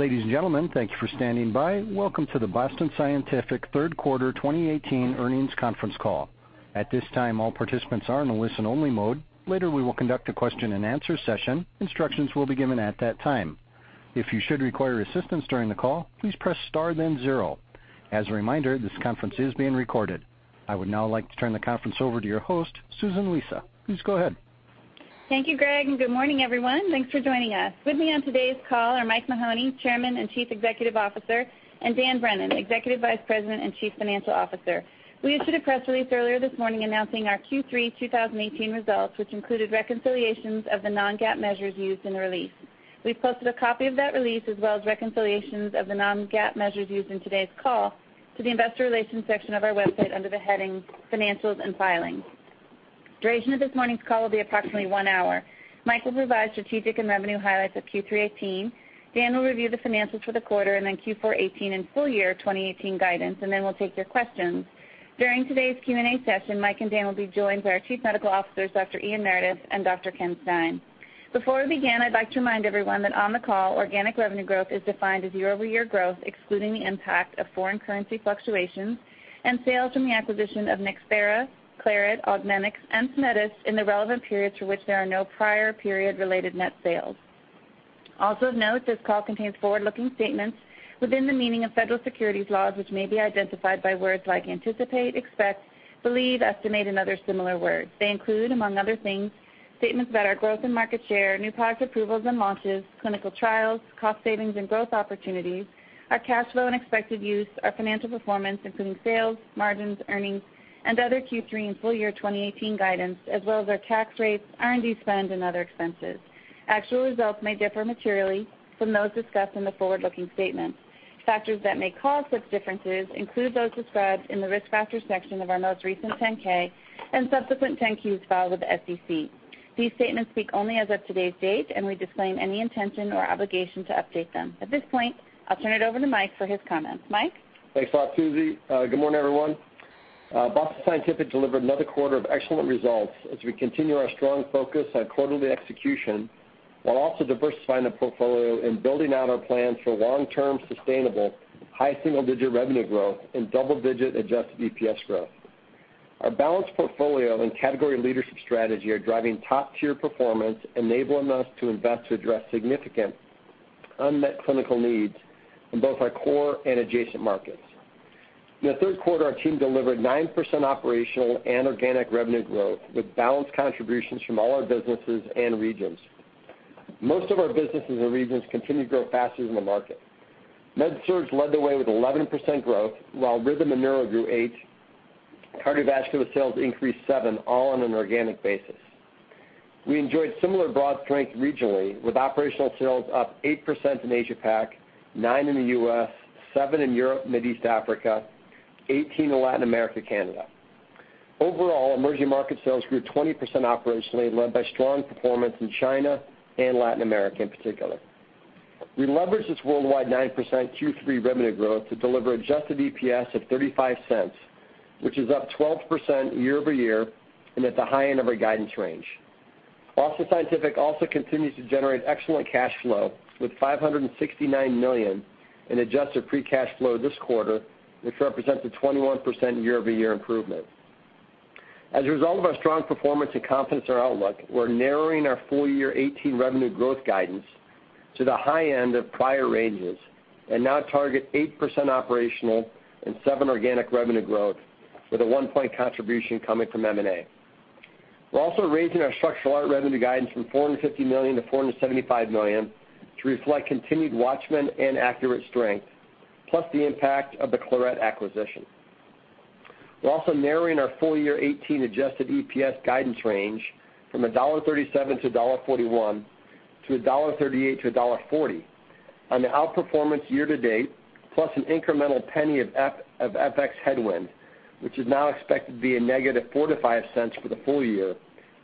Ladies and gentlemen, thank you for standing by. Welcome to the Boston Scientific Third Quarter 2018 Earnings Conference Call. At this time, all participants are in a listen only mode. Later, we will conduct a question and answer session. Instructions will be given at that time. If you should require assistance during the call, please press star then zero. As a reminder, this conference is being recorded. I would now like to turn the conference over to your host, Susan Lisa. Please go ahead. Thank you, Greg. Good morning, everyone. Thanks for joining us. With me on today's call are Mike Mahoney, Chairman and Chief Executive Officer, Dan Brennan, Executive Vice President and Chief Financial Officer. We issued a press release earlier this morning announcing our Q3 2018 results, which included reconciliations of the non-GAAP measures used in the release. We've posted a copy of that release, as well as reconciliations of the non-GAAP measures used in today's call to the investor relations section of our website under the heading Financials and Filings. Duration of this morning's call will be approximately one hour. Mike will provide strategic and revenue highlights of Q3 2018. Dan will review the financials for the quarter, Q4 2018 and full year 2018 guidance. We'll take your questions. During today's Q&A session, Mike and Dan will be joined by our chief medical officers, Dr. Ian Meredith and Dr. Ken Stein. Before we begin, I'd like to remind everyone that on the call, organic revenue growth is defined as year-over-year growth, excluding the impact of foreign currency fluctuations and sales from the acquisition of NxThera, Claret, Augmenix, and Symetis in the relevant periods for which there are no prior period-related net sales. Of note, this call contains forward-looking statements within the meaning of federal securities laws, which may be identified by words like anticipate, expect, believe, estimate, and other similar words. They include, among other things, statements about our growth and market share, new product approvals and launches, clinical trials, cost savings and growth opportunities, our cash flow and expected use, our financial performance, including sales, margins, earnings, and other Q3 and full year 2018 guidance, as well as our tax rates, R&D spend, and other expenses. Actual results may differ materially from those discussed in the forward-looking statements. Factors that may cause such differences include those described in the Risk Factors section of our most recent 10-K and subsequent 10-Qs filed with the SEC. These statements speak only as of today's date. We disclaim any intention or obligation to update them. At this point, I'll turn it over to Mike for his comments. Mike? Thanks a lot, Susie. Good morning, everyone. Boston Scientific delivered another quarter of excellent results as we continue our strong focus on quarterly execution, while also diversifying the portfolio and building out our plans for long-term, sustainable, high single-digit revenue growth and double-digit adjusted EPS growth. Our balanced portfolio and category leadership strategy are driving top-tier performance, enabling us to invest to address significant unmet clinical needs in both our core and adjacent markets. In the third quarter, our team delivered 9% operational and organic revenue growth, with balanced contributions from all our businesses and regions. Most of our businesses and regions continued to grow faster than the market. MedSurg led the way with 11% growth, while Rhythm and Neuro grew 8%. Cardiovascular sales increased 7%, all on an organic basis. We enjoyed similar broad strength regionally, with operational sales up 8% in Asia-Pac, 9% in the U.S., 7% in Europe, Middle East, Africa, 18% in Latin America, Canada. Overall, emerging market sales grew 20% operationally, led by strong performance in China and Latin America in particular. We leveraged this worldwide 9% Q3 revenue growth to deliver adjusted EPS of $0.35, which is up 12% year-over-year, and at the high end of our guidance range. Boston Scientific also continues to generate excellent cash flow, with $569 million in adjusted free cash flow this quarter, which represents a 21% year-over-year improvement. As a result of our strong performance and confidence in our outlook, we're narrowing our full year 2018 revenue growth guidance to the high end of prior ranges and now target 8% operational and 7% organic revenue growth, with a one point contribution coming from M&A. We're also raising our structural heart revenue guidance from $450 million-$475 million to reflect continued WATCHMAN and ACURATE strength, plus the impact of the Claret acquisition. We're also narrowing our full year 2018 adjusted EPS guidance range from $1.37-$1.41, to $1.38-$1.40 on the outperformance year-to-date, plus an incremental $0.01 of FX headwind, which is now expected to be a negative $0.04-$0.05 for the full year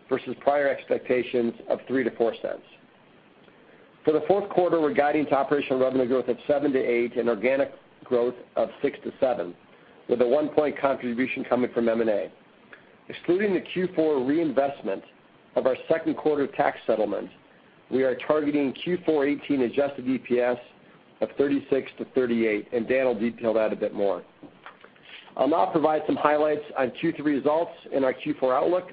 versus prior expectations of $0.03-$0.04. For the fourth quarter, we're guiding to operational revenue growth of 7%-8% and organic growth of 6%-7% with a one point contribution coming from M&A. Excluding the Q4 reinvestment of our second quarter tax settlement, we are targeting Q4 2018 adjusted EPS of $0.36-$0.38, and Dan will detail that a bit more. I'll now provide some highlights on Q3 results and our Q4 outlook.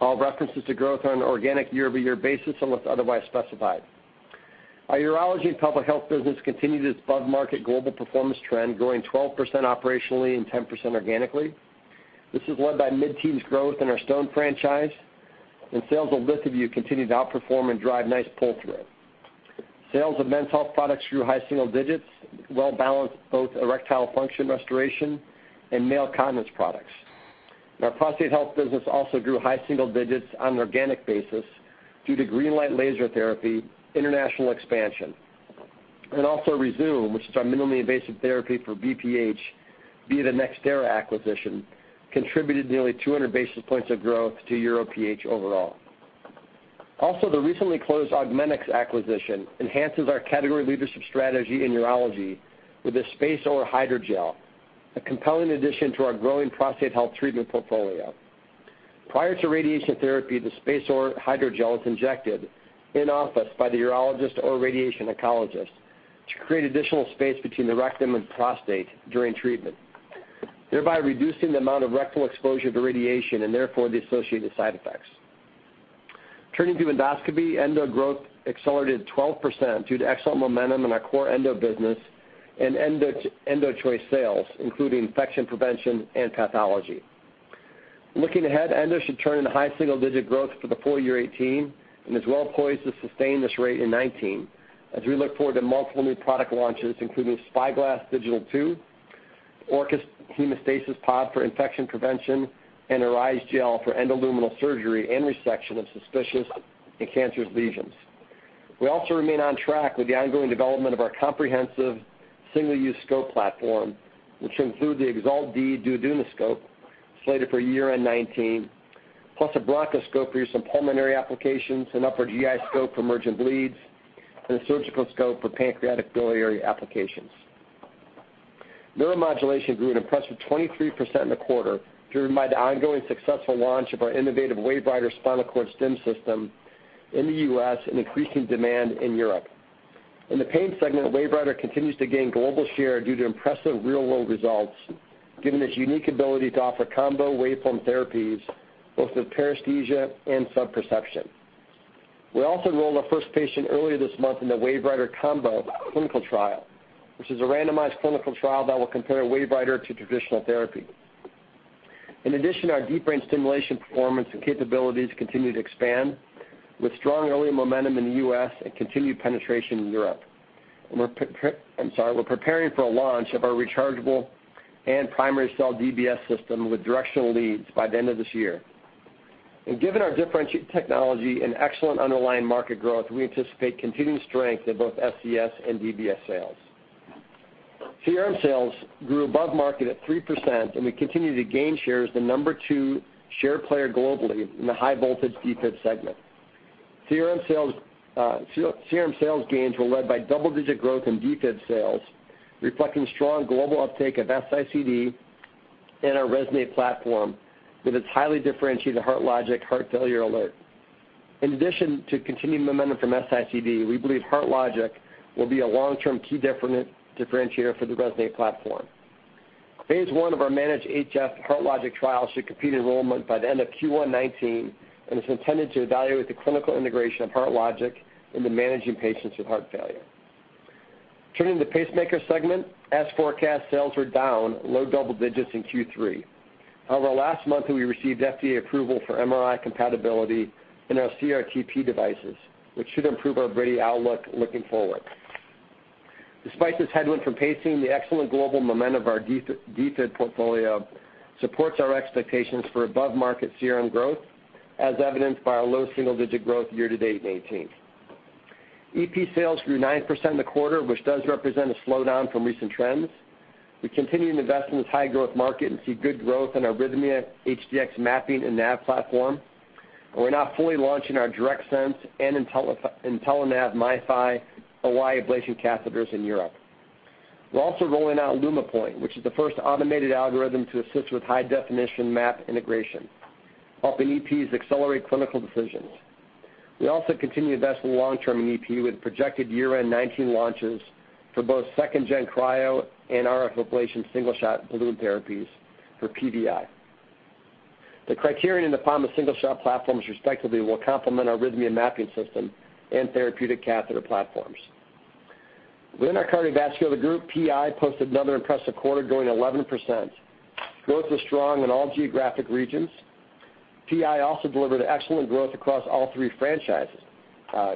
All references to growth are on an organic year-over-year basis unless otherwise specified. Our Urology and Pelvic Health business continued its above-market global performance trend, growing 12% operationally and 10% organically. This is led by mid-teens growth in our stone franchise, and sales of LithoVue continued to outperform and drive nice pull-through. Sales of men's health products grew high single digits, well balanced both erectile function restoration and male continence products. Our prostate health business also grew high single digits on an organic basis due to GreenLight laser therapy international expansion. Rezūm, which is our minimally invasive therapy for BPH via the NxThera acquisition, contributed nearly 200 basis points of growth to Uro/PH overall. Also, the recently closed Augmenix acquisition enhances our category leadership strategy in urology with the SpaceOAR hydrogel, a compelling addition to our growing prostate health treatment portfolio. Prior to radiation therapy, the SpaceOAR hydrogel is injected in office by the urologist or radiation oncologist to create additional space between the rectum and prostate during treatment, thereby reducing the amount of rectal exposure to radiation and therefore the associated side effects. Turning to endoscopy, endo growth accelerated 12% due to excellent momentum in our core endo business and EndoChoice sales, including infection prevention and pathology. Looking ahead, endo should turn in high single-digit growth for the full year 2018, and is well poised to sustain this rate in 2019 as we look forward to multiple new product launches, including SpyGlass DS II, Orca Valves for infection prevention, and ORISE Gel for endoluminal surgery and resection of suspicious and cancerous lesions. We also remain on track with the ongoing development of our comprehensive single-use scope platform, which include the EXALT Model D duodenoscope slated for year-end 2019, plus a bronchoscope for use in pulmonary applications, an upper GI scope for emergent bleeds, and a surgical scope for pancreatic biliary applications. Neuromodulation grew an impressive 23% in the quarter, driven by the ongoing successful launch of our innovative WaveWriter spinal cord stim system in the U.S. and increasing demand in Europe. In the pain segment, WaveWriter continues to gain global share due to impressive real-world results, given its unique ability to offer combo waveform therapies both with paresthesia and subperception. We also enrolled our first patient earlier this month in the WaveWriter Combo clinical trial, which is a randomized clinical trial that will compare WaveWriter to traditional therapy. In addition, our deep brain stimulation performance and capabilities continue to expand with strong early momentum in the U.S. and continued penetration in Europe. We're preparing for a launch of our rechargeable and primary cell DBS system with directional leads by the end of this year. Given our differentiated technology and excellent underlying market growth, we anticipate continued strength in both SCS and DBS sales. CRM sales grew above market at 3%, and we continue to gain share as the number two share player globally in the high voltage defib segment. CRM sales gains were led by double-digit growth in defib sales, reflecting strong global uptake of S-ICD and our Resonate platform with its highly differentiated HeartLogic heart failure alert. In addition to continued momentum from S-ICD, we believe HeartLogic will be a long-term key differentiator for the Resonate platform. Phase I of our MANAGE-HF HeartLogic trial should complete enrollment by the end of Q1 2019 and is intended to evaluate the clinical integration of HeartLogic into managing patients with heart failure. Turning to the pacemaker segment. As forecast, sales were down low double digits in Q3. However, last month we received FDA approval for MRI compatibility in our CRT-P devices, which should improve our brady outlook looking forward. Despite this headwind from pacing, the excellent global momentum of our defib portfolio supports our expectations for above-market CRM growth, as evidenced by our low single-digit growth year to date in 2018. EP sales grew 9% in the quarter, which does represent a slowdown from recent trends. We continue to invest in this high-growth market and see good growth in our RHYTHMIA HDx mapping and nav platform, and we're now fully launching our DirectSense and INTELLANAV MIFI OI ablation catheters in Europe. We're also rolling out LUMIPOINT, which is the first automated algorithm to assist with high-definition map integration, helping EPs accelerate clinical decisions. We also continue to invest in the long term in EP with projected year-end 2019 launches for both second-gen Cryterion and RF ablation single shot balloon therapies for PVI. The Cryterion upon the single shot platforms respectively will complement our arrhythmia mapping system and therapeutic catheter platforms. Within our Cardiovascular group, PI posted another impressive quarter, growing 11%. Growth was strong in all geographic regions. PI also delivered excellent growth across all three franchises,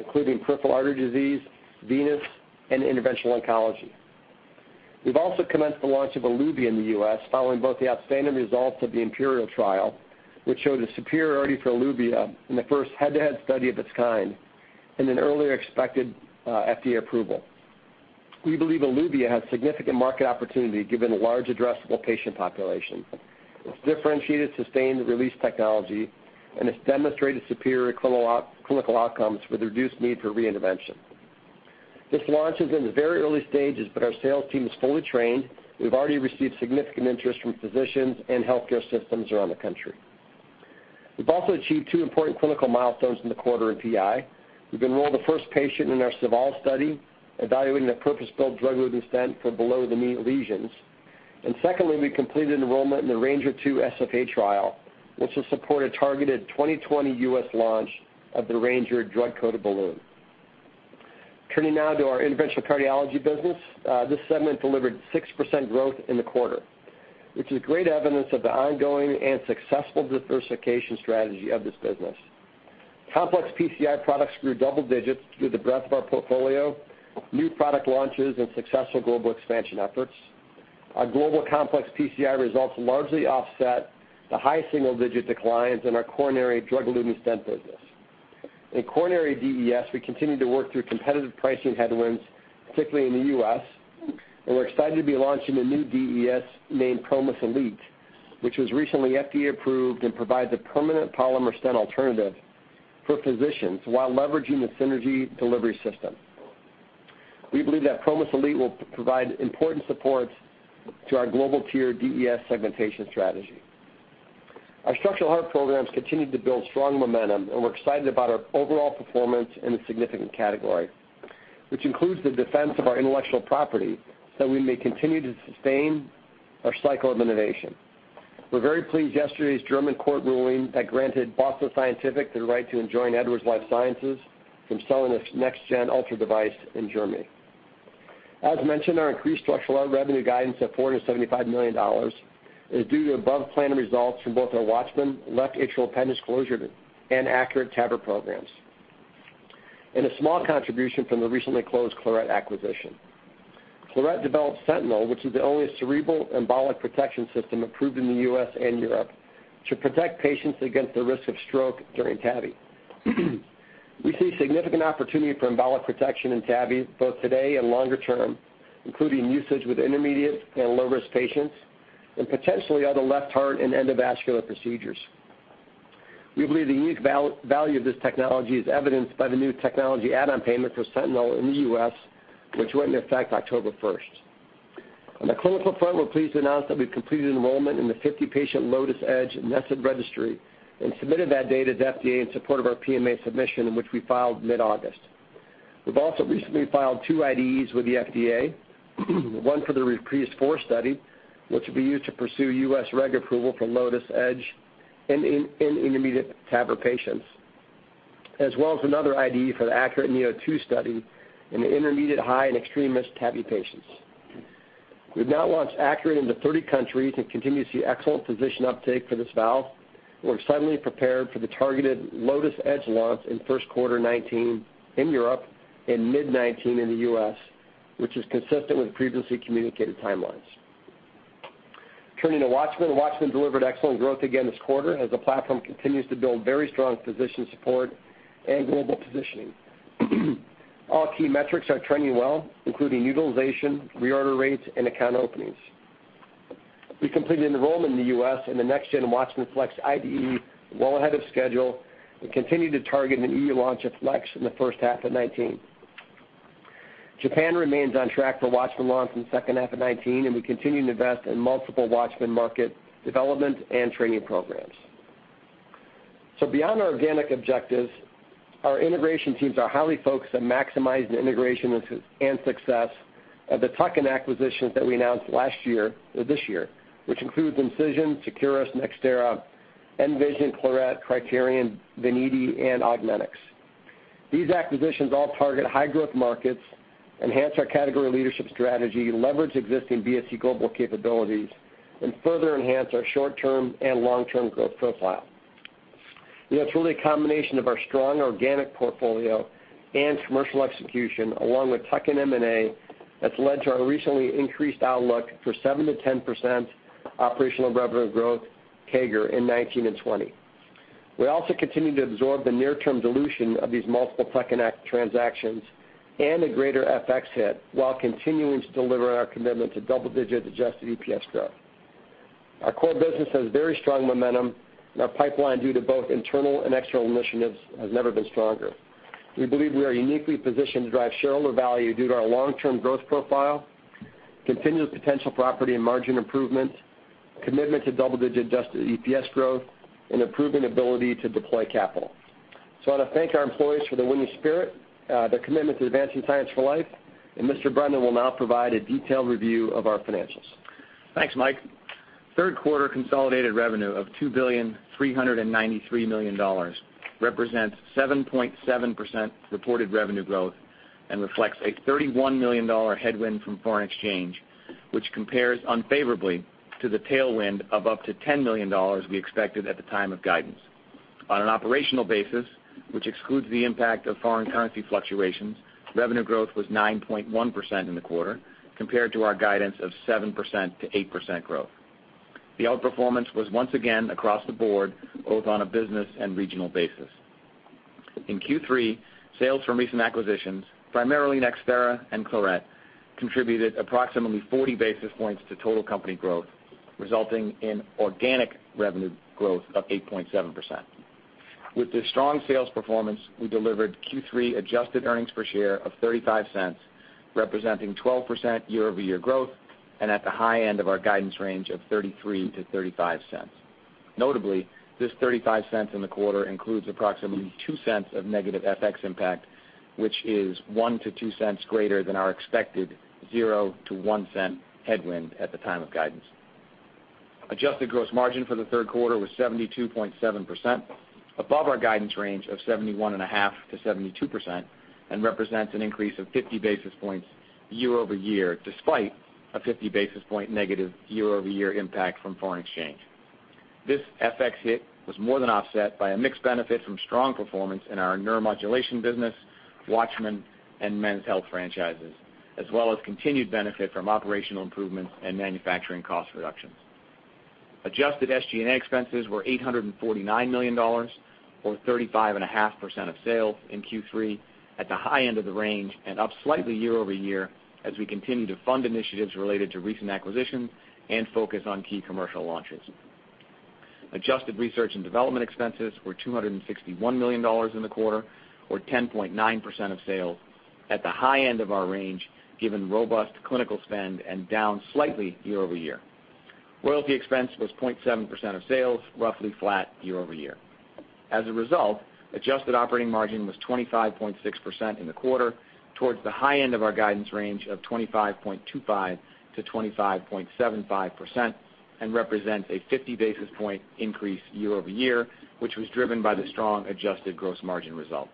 including peripheral artery disease, venous, and interventional oncology. We've also commenced the launch of Eluvia in the U.S. following both the outstanding results of the IMPERIAL trial, which showed a superiority for Eluvia in the first head-to-head study of its kind, and an earlier-than-expected FDA approval. We believe Eluvia has significant market opportunity given the large addressable patient population, its differentiated sustained release technology and its demonstrated superior clinical outcomes with reduced need for reintervention. This launch is in the very early stages, but our sales team is fully trained. We've already received significant interest from physicians and healthcare systems around the country. We've also achieved two important clinical milestones in the quarter in PI. We've enrolled the first patient in our SAVAL study evaluating a purpose-built drug-eluting stent for below-the-knee lesions. Secondly, we completed enrollment in the RANGER II SFA trial, which will support a targeted 2020 U.S. launch of the RANGER drug-coated balloon. Turning now to our interventional cardiology business. This segment delivered 6% growth in the quarter, which is great evidence of the ongoing and successful diversification strategy of this business. Complex PCI products grew double digits through the breadth of our portfolio, new product launches, and successful global expansion efforts. Our global complex PCI results largely offset the high single-digit declines in our coronary drug-eluting stent business. In coronary DES, we continue to work through competitive pricing headwinds, particularly in the U.S., and we're excited to be launching a new DES named Promus ELITE, which was recently FDA approved and provides a permanent polymer stent alternative for physicians while leveraging the SYNERGY delivery system. We believe that Promus ELITE will provide important support to our global tier DES segmentation strategy. Our structural heart programs continued to build strong momentum, and we're excited about our overall performance in a significant category, which includes the defense of our intellectual property, so we may continue to sustain our cycle of innovation. We're very pleased yesterday's German court ruling that granted Boston Scientific the right to enjoin Edwards Lifesciences from selling its next-gen Ultra device in Germany. As mentioned, our increased structural heart revenue guidance of $475 million is due to above-plan results from both our WATCHMAN left atrial appendage closure and ACURATE TAVR programs, and a small contribution from the recently closed Claret acquisition. Claret developed Sentinel, which is the only cerebral embolic protection system approved in the U.S. and Europe to protect patients against the risk of stroke during TAVI. We see significant opportunity for embolic protection in TAVI, both today and longer term, including usage with intermediate and low-risk patients, and potentially other left heart and endovascular procedures. We believe the unique value of this technology is evidenced by the new technology add-on payment for Sentinel in the U.S., which went into effect October 1st. On the clinical front, we're pleased to announce that we've completed enrollment in the 50-patient Lotus Edge nested registry and submitted that data to the FDA in support of our PMA submission, in which we filed mid-August. We've also recently filed two IDEs with the FDA, one for the REPRISE IV study, which will be used to pursue U.S. reg approval for Lotus Edge in intermediate TAVR patients, as well as another IDE for the ACURATE neo2 study in the intermediate, high, and extreme-risk TAVI patients. We've now launched ACURATE into 30 countries and continue to see excellent physician uptake for this valve, and we're solidly prepared for the targeted Lotus Edge launch in first quarter 2019 in Europe and mid-2019 in the U.S., which is consistent with previously communicated timelines. Turning to WATCHMAN. WATCHMAN delivered excellent growth again this quarter as the platform continues to build very strong physician support and global positioning. All key metrics are trending well, including utilization, reorder rates, and account openings. We completed enrollment in the U.S. and the next-gen WATCHMAN FLX IDE well ahead of schedule and continue to target an EU launch of FLX in the first half of 2019. Japan remains on track for WATCHMAN launch in the second half of 2019, and we continue to invest in multiple WATCHMAN market development and training programs. Beyond our organic objectives, our integration teams are highly focused on maximizing integration and success of the tuck-in acquisitions that we announced last year or this year, which includes Incision, Securus, NxThera, nVision, Claret, Cryterion, Veniti, and Augmenix. These acquisitions all target high-growth markets, enhance our category leadership strategy, leverage existing BSC global capabilities, and further enhance our short-term and long-term growth profile. It's really a combination of our strong organic portfolio and commercial execution, along with tuck-in M&A, that's led to our recently increased outlook for 7%-10% operational revenue growth CAGR in 2019 and 2020. We also continue to absorb the near-term dilution of these multiple tuck-in transactions and a greater FX hit while continuing to deliver on our commitment to double-digit adjusted EPS growth. Our core business has very strong momentum, and our pipeline, due to both internal and external initiatives, has never been stronger. We believe we are uniquely positioned to drive shareholder value due to our long-term growth profile, continuous potential profitability and margin improvements, commitment to double-digit adjusted EPS growth, and improving ability to deploy capital. I want to thank our employees for the winning spirit, the commitment to advancing science for life, and Mr. Brennan will now provide a detailed review of our financials. Thanks, Mike. Third quarter consolidated revenue of $2,393,000,000 represents 7.7% reported revenue growth and reflects a $31 million headwind from foreign exchange, which compares unfavorably to the tailwind of up to $10 million we expected at the time of guidance. On an operational basis, which excludes the impact of foreign currency fluctuations, revenue growth was 9.1% in the quarter compared to our guidance of 7%-8% growth. The outperformance was once again across the board, both on a business and regional basis. In Q3, sales from recent acquisitions, primarily NxThera and Claret, contributed approximately 40 basis points to total company growth, resulting in organic revenue growth of 8.7%. With this strong sales performance, we delivered Q3 adjusted earnings per share of $0.35, representing 12% year-over-year growth and at the high end of our guidance range of $0.33-$0.35. Notably, this $0.35 in the quarter includes approximately $0.02 of negative FX impact, which is $0.01-$0.02 greater than our expected $0.00-$0.01 headwind at the time of guidance. Adjusted gross margin for the third quarter was 72.7%, above our guidance range of 71.5%-72%, and represents an increase of 50 basis points year-over-year, despite a 50 basis point negative year-over-year impact from foreign exchange. This FX hit was more than offset by a mixed benefit from strong performance in our neuromodulation business, WATCHMAN and men's health franchises, as well as continued benefit from operational improvements and manufacturing cost reductions. Adjusted SG&A expenses were $849 million, or 35.5% of sales in Q3, at the high end of the range and up slightly year-over-year as we continue to fund initiatives related to recent acquisitions and focus on key commercial launches. Adjusted R&D expenses were $261 million in the quarter, or 10.9% of sales, at the high end of our range, given robust clinical spend and down slightly year-over-year. Royalty expense was 0.7% of sales, roughly flat year-over-year. As a result, adjusted operating margin was 25.6% in the quarter, towards the high end of our guidance range of 25.25%-25.75%, and represents a 50 basis point increase year-over-year, which was driven by the strong adjusted gross margin result.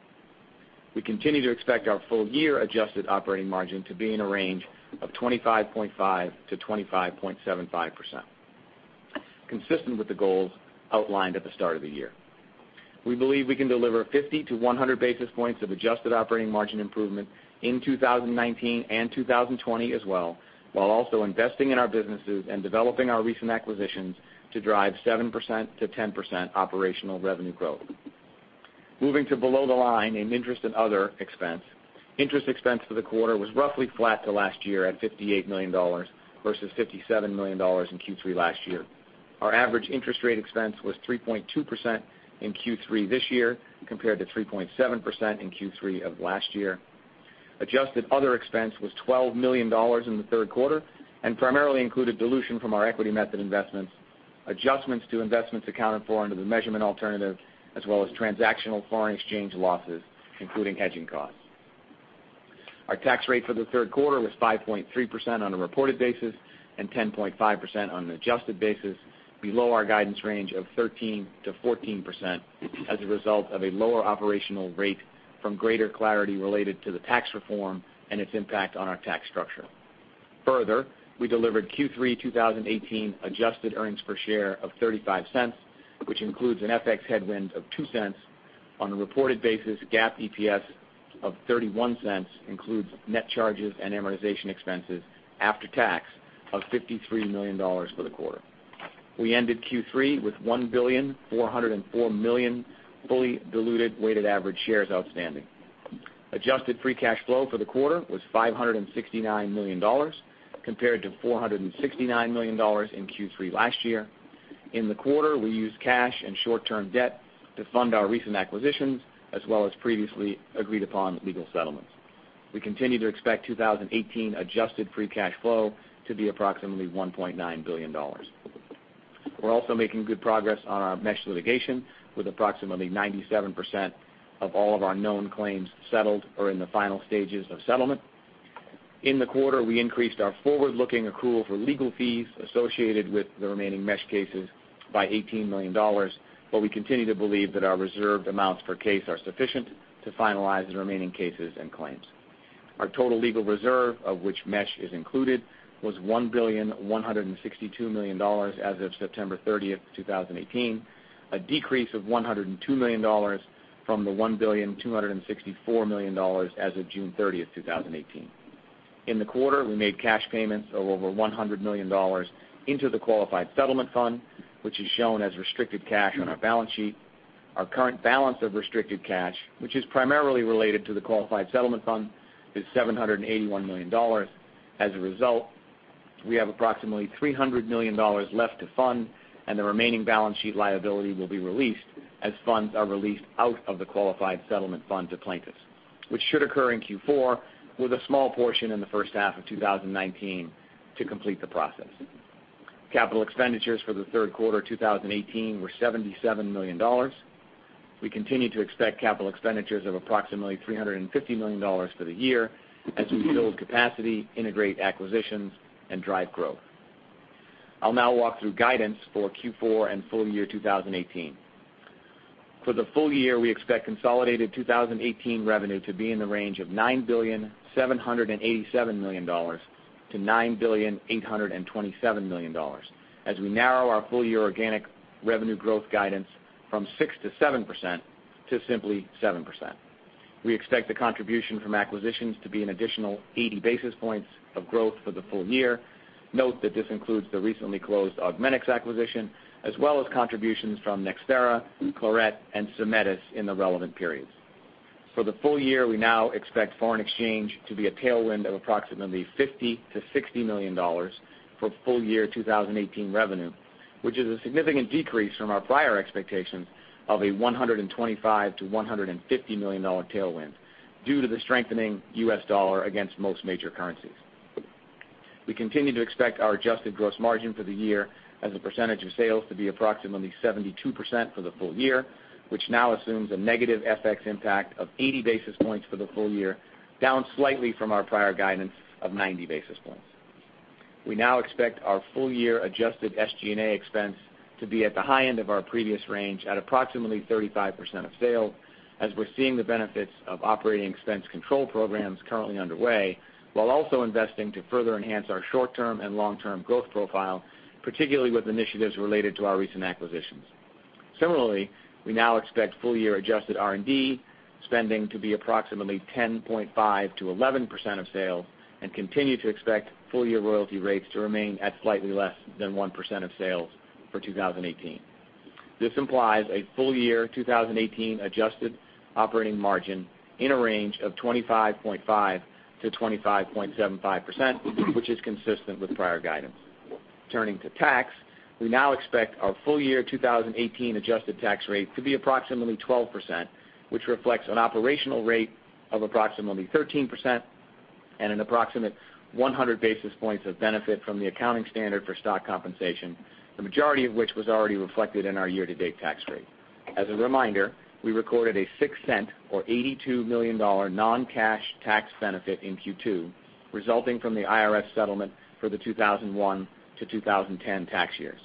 We continue to expect our full year adjusted operating margin to be in a range of 25.5%-25.75%, consistent with the goals outlined at the start of the year. We believe we can deliver 50-100 basis points of adjusted operating margin improvement in 2019 and 2020 as well, while also investing in our businesses and developing our recent acquisitions to drive 7%-10% operational revenue growth. Moving to below the line in interest and other expense. Interest expense for the quarter was roughly flat to last year at $58 million, versus $57 million in Q3 last year. Our average interest rate expense was 3.2% in Q3 this year, compared to 3.7% in Q3 of last year. Adjusted other expense was $12 million in the third quarter and primarily included dilution from our equity method investments, adjustments to investments accounted for under the measurement alternative, as well as transactional foreign exchange losses, including hedging costs. Our tax rate for the third quarter was 5.3% on a reported basis and 10.5% on an adjusted basis, below our guidance range of 13%-14%, as a result of a lower operational rate from greater clarity related to the tax reform and its impact on our tax structure. We delivered Q3 2018 adjusted earnings per share of $0.35, which includes an FX headwind of $0.02. On a reported basis, GAAP EPS of $0.31 includes net charges and amortization expenses after tax of $53 million for the quarter. We ended Q3 with 1,404,000,000 fully diluted weighted average shares outstanding. Adjusted free cash flow for the quarter was $569 million, compared to $469 million in Q3 last year. In the quarter, we used cash and short-term debt to fund our recent acquisitions, as well as previously agreed upon legal settlements. We continue to expect 2018 adjusted free cash flow to be approximately $1.9 billion. We are also making good progress on our mesh litigation, with approximately 97% of all of our known claims settled or in the final stages of settlement. In the quarter, we increased our forward-looking accrual for legal fees associated with the remaining mesh cases by $18 million. We continue to believe that our reserved amounts per case are sufficient to finalize the remaining cases and claims. Our total legal reserve, of which mesh is included, was $1,162,000,000 as of September 30th, 2018, a decrease of $102 million from the $1,264,000,000 as of June 30th, 2018. In the quarter, we made cash payments of over $100 million into the qualified settlement fund, which is shown as restricted cash on our balance sheet. Our current balance of restricted cash, which is primarily related to the qualified settlement fund, is $781 million. As a result, we have approximately $300 million left to fund, and the remaining balance sheet liability will be released as funds are released out of the qualified settlement fund to plaintiffs, which should occur in Q4, with a small portion in the first half of 2019 to complete the process. Capital expenditures for the third quarter 2018 were $77 million. We continue to expect capital expenditures of approximately $350 million for the year as we build capacity, integrate acquisitions, and drive growth. I will now walk through guidance for Q4 and full year 2018. For the full year, we expect consolidated 2018 revenue to be in the range of $9,787,000,000-$9,827,000,000 as we narrow our full year organic revenue growth guidance from 6%-7% to simply 7%. We expect the contribution from acquisitions to be an additional 80 basis points of growth for the full year. Note that this includes the recently closed Augmenix acquisition, as well as contributions from NxThera, Claret, and Symetis in the relevant periods. For the full year, we now expect foreign exchange to be a tailwind of approximately $50 million-$60 million for full year 2018 revenue, which is a significant decrease from our prior expectations of a $125 million-$150 million tailwind due to the strengthening U.S. dollar against most major currencies. We continue to expect our adjusted gross margin for the year as a percentage of sales to be approximately 72% for the full year, which now assumes a negative FX impact of 80 basis points for the full year, down slightly from our prior guidance of 90 basis points. We now expect our full year adjusted SG&A expense to be at the high end of our previous range at approximately 35% of sales, as we're seeing the benefits of operating expense control programs currently underway, while also investing to further enhance our short-term and long-term growth profile, particularly with initiatives related to our recent acquisitions. Similarly, we now expect full year adjusted R&D spending to be approximately 10.5%-11% of sales, and continue to expect full year royalty rates to remain at slightly less than 1% of sales for 2018. This implies a full year 2018 adjusted operating margin in a range of 25.5%-25.75%, which is consistent with prior guidance. Turning to tax, we now expect our full year 2018 adjusted tax rate to be approximately 12%, which reflects an operational rate of approximately 13% and an approximate 100 basis points of benefit from the accounting standard for stock compensation, the majority of which was already reflected in our year-to-date tax rate. As a reminder, we recorded a $0.06, or $82 million, non-cash tax benefit in Q2, resulting from the IRS settlement for the 2001 to 2010 tax years.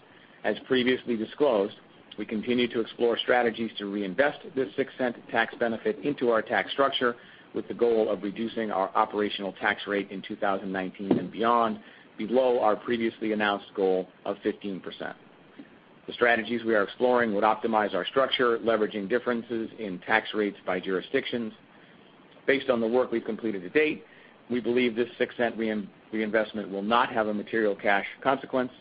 As previously disclosed, we continue to explore strategies to reinvest this $0.06 tax benefit into our tax structure with the goal of reducing our operational tax rate in 2019 and beyond below our previously announced goal of 15%. The strategies we are exploring would optimize our structure, leveraging differences in tax rates by jurisdictions. Based on the work we've completed to date, we believe this $0.06 reinvestment will not have a material cash consequence.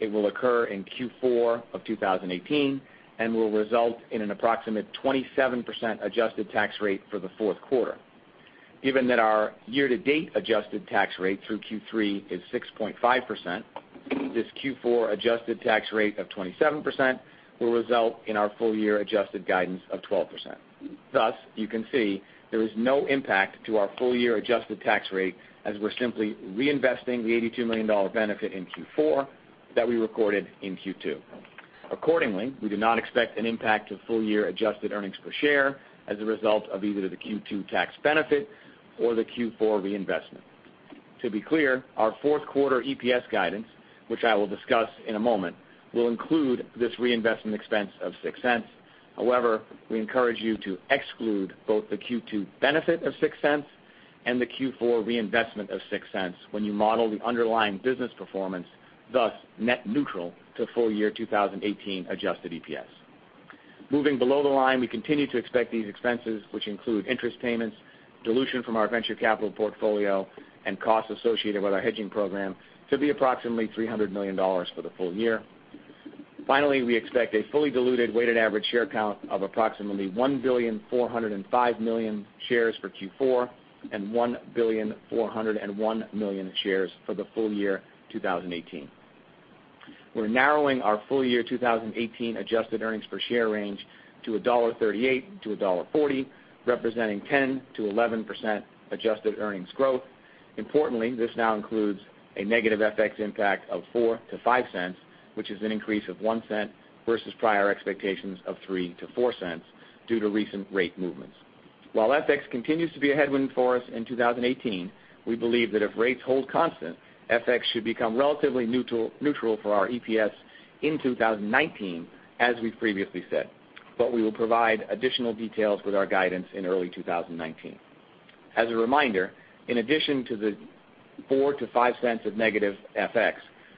It will occur in Q4 of 2018 and will result in an approximate 27% adjusted tax rate for the fourth quarter. Given that our year-to-date adjusted tax rate through Q3 is 6.5%, this Q4 adjusted tax rate of 27% will result in our full-year adjusted guidance of 12%. Thus, you can see there is no impact to our full-year adjusted tax rate, as we're simply reinvesting the $82 million benefit in Q4 that we recorded in Q2. Accordingly, we do not expect an impact to full-year adjusted earnings per share as a result of either the Q2 tax benefit or the Q4 reinvestment. To be clear, our fourth quarter EPS guidance, which I will discuss in a moment, will include this reinvestment expense of $0.06. However, we encourage you to exclude both the Q2 benefit of $0.06 and the Q4 reinvestment of $0.06 when you model the underlying business performance, thus net neutral to full-year 2018 adjusted EPS. Moving below the line, we continue to expect these expenses, which include interest payments, dilution from our venture capital portfolio, and costs associated with our hedging program to be approximately $300 million for the full year. Finally, we expect a fully diluted weighted average share count of approximately 1,405,000 shares for Q4 and 1,401,000 shares for the full year 2018. We're narrowing our full year 2018 adjusted earnings per share range to $1.38-$1.40, representing 10%-11% adjusted earnings growth. Importantly, this now includes a negative FX impact of $0.04-$0.05, which is an increase of $0.01 versus prior expectations of $0.03-$0.04 due to recent rate movements. While FX continues to be a headwind for us in 2018, we believe that if rates hold constant, FX should become relatively neutral for our EPS in 2019, as we've previously said, but we will provide additional details with our guidance in early 2019. As a reminder, in addition to the $0.04-$0.05 of negative FX,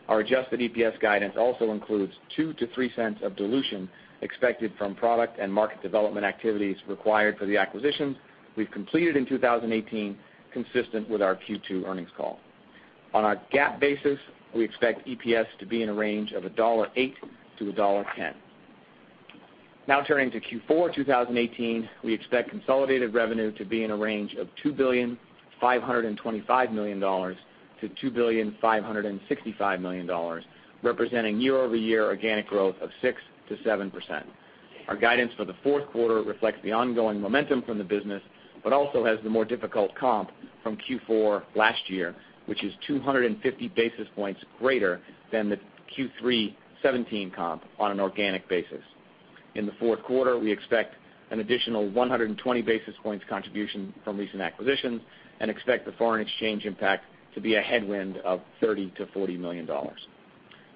our adjusted EPS guidance also includes $0.02-$0.03 of dilution expected from product and market development activities required for the acquisitions we've completed in 2018, consistent with our Q2 earnings call. On a GAAP basis, we expect EPS to be in a range of $1.08-$1.10. Turning to Q4 2018, we expect consolidated revenue to be in a range of $2,525 million-$2,565 million, representing year-over-year organic growth of 6%-7%. Our guidance for the fourth quarter reflects the ongoing momentum from the business, but also has the more difficult comp from Q4 last year, which is 250 basis points greater than the Q3 2017 comp on an organic basis. In the fourth quarter, we expect an additional 120 basis points contribution from recent acquisitions and expect the foreign exchange impact to be a headwind of $30 million-$40 million.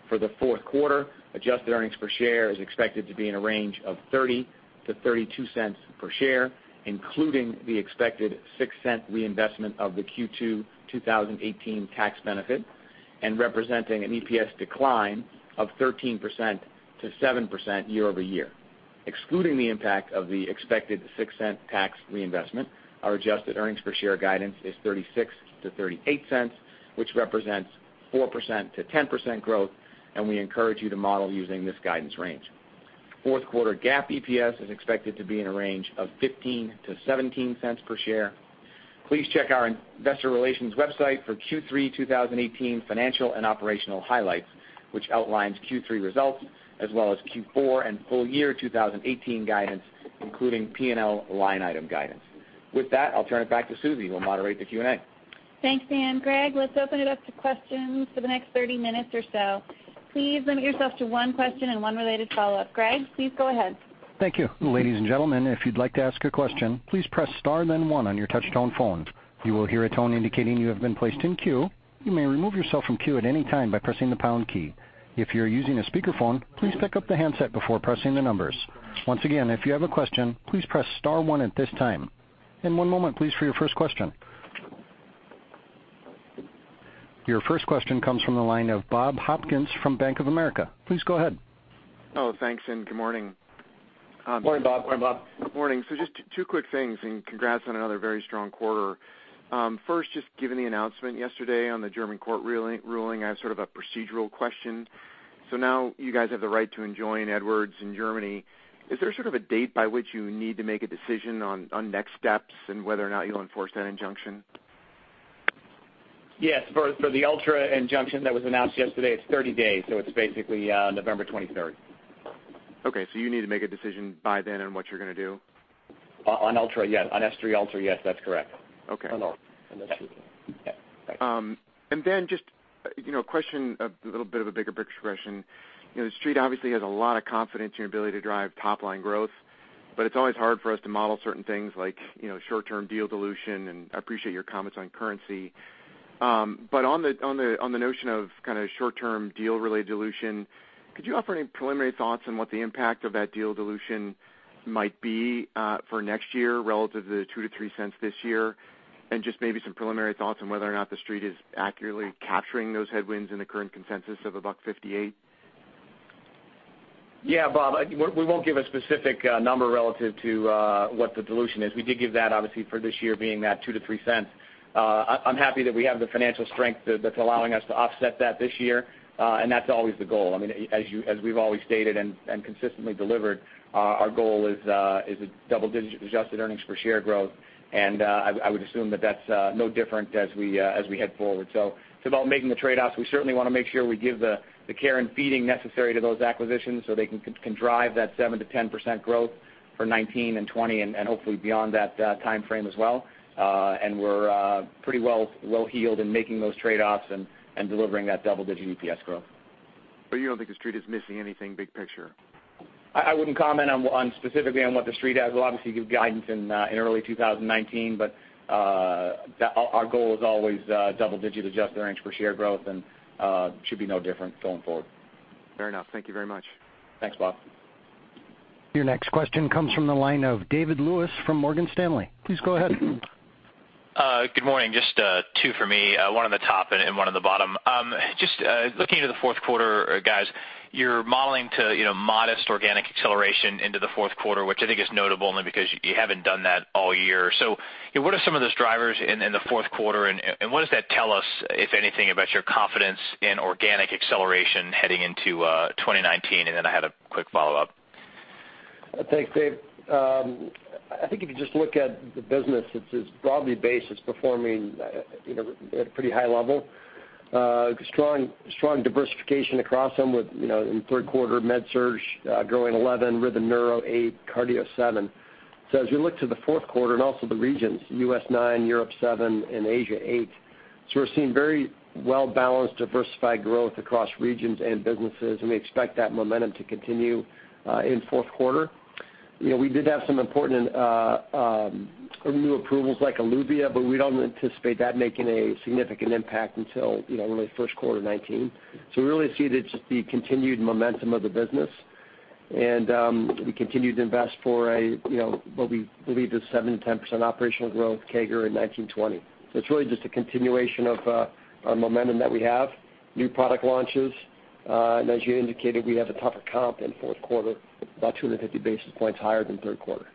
For the fourth quarter, adjusted earnings per share is expected to be in a range of $0.30-$0.32 per share, including the expected $0.06 reinvestment of the Q2 2018 tax benefit and representing an EPS decline of 13%-7% year-over-year. Excluding the impact of the expected $0.06 tax reinvestment, our adjusted earnings per share guidance is $0.36-$0.38, which represents 4%-10% growth, and we encourage you to model using this guidance range. Fourth quarter GAAP EPS is expected to be in a range of $0.15-$0.17 per share. Please check our investor relations website for Q3 2018 financial and operational highlights, which outlines Q3 results as well as Q4 and full year 2018 guidance, including P&L line item guidance. With that, I'll turn it back to Susie, who will moderate the Q&A. Thanks, Dan. Greg, let's open it up to questions for the next 30 minutes or so. Please limit yourself to one question and one related follow-up. Greg, please go ahead. Thank you. Ladies and gentlemen, if you'd like to ask a question, please press star then one on your touch-tone phones. You will hear a tone indicating you have been placed in queue. You may remove yourself from queue at any time by pressing the pound key. If you're using a speakerphone, please pick up the handset before pressing the numbers. Once again, if you have a question, please press star one at this time. One moment, please, for your first question. Your first question comes from the line of Bob Hopkins from Bank of America. Please go ahead. Oh, thanks, and good morning. Morning, Bob. Morning, Bob. Good morning. Just two quick things, congrats on another very strong quarter. First, just given the announcement yesterday on the German court ruling, I have sort of a procedural question. Now you guys have the right to enjoin Edwards in Germany. Is there sort of a date by which you need to make a decision on next steps and whether or not you'll enforce that injunction? Yes, for the Ultra injunction that was announced yesterday, it's 30 days, it's basically November 23rd. Okay, you need to make a decision by then on what you're going to do? On S3 Ultra, yes, that's correct. Okay. On Ultra. Yes. Just a question, a little bit of a bigger picture question. The Street obviously has a lot of confidence in your ability to drive top-line growth, but it's always hard for us to model certain things like short-term deal dilution, and I appreciate your comments on currency. On the notion of kind of short-term deal-related dilution, could you offer any preliminary thoughts on what the impact of that deal dilution might be for next year relative to the $0.02 to $0.03 this year? Just maybe some preliminary thoughts on whether or not The Street is accurately capturing those headwinds in the current consensus of $1.58. Bob, we won't give a specific number relative to what the dilution is. We did give that, obviously, for this year being that $0.02 to $0.03. I'm happy that we have the financial strength that's allowing us to offset that this year, and that's always the goal. As we've always stated and consistently delivered, our goal is a double-digit adjusted EPS growth. I would assume that's no different as we head forward. It's about making the trade-offs. We certainly want to make sure we give the care and feeding necessary to those acquisitions so they can drive that 7%-10% growth for 2019 and 2020 and hopefully beyond that timeframe as well. We're pretty well-heeled in making those trade-offs and delivering that double-digit EPS growth. You don't think The Street is missing anything big picture? I wouldn't comment specifically on what The Street has. We'll obviously give guidance in early 2019, but our goal is always double-digit adjusted earnings per share growth and should be no different going forward. Fair enough. Thank you very much. Thanks, Bob. Your next question comes from the line of David Lewis from Morgan Stanley. Please go ahead. Good morning. Just two for me, one on the top and one on the bottom. Just looking into the fourth quarter, guys, you're modeling to modest organic acceleration into the fourth quarter, which I think is notable only because you haven't done that all year. What are some of those drivers in the fourth quarter, and what does that tell us, if anything, about your confidence in organic acceleration heading into 2019? I had a quick follow-up. Thanks, Dave. I think if you just look at the business, it's broadly based. It's performing at a pretty high level. Strong diversification across them with third quarter MedSurg growing 11, Rhythm Neuro 8, cardio 7. As you look to the fourth quarter and also the regions, U.S. 9, Europe 7, and Asia 8. We're seeing very well-balanced, diversified growth across regions and businesses, and we expect that momentum to continue in the fourth quarter. We did have some important new approvals like Eluvia, but we don't anticipate that making a significant impact until really first quarter 2019. We really see it as just the continued momentum of the business, and we continue to invest for what we believe is 7%-10% operational growth CAGR in 2019, 2020. It's really just a continuation of our momentum that we have, new product launches. As you indicated, we have a tougher comp in the fourth quarter, about 250 basis points higher than the third quarter.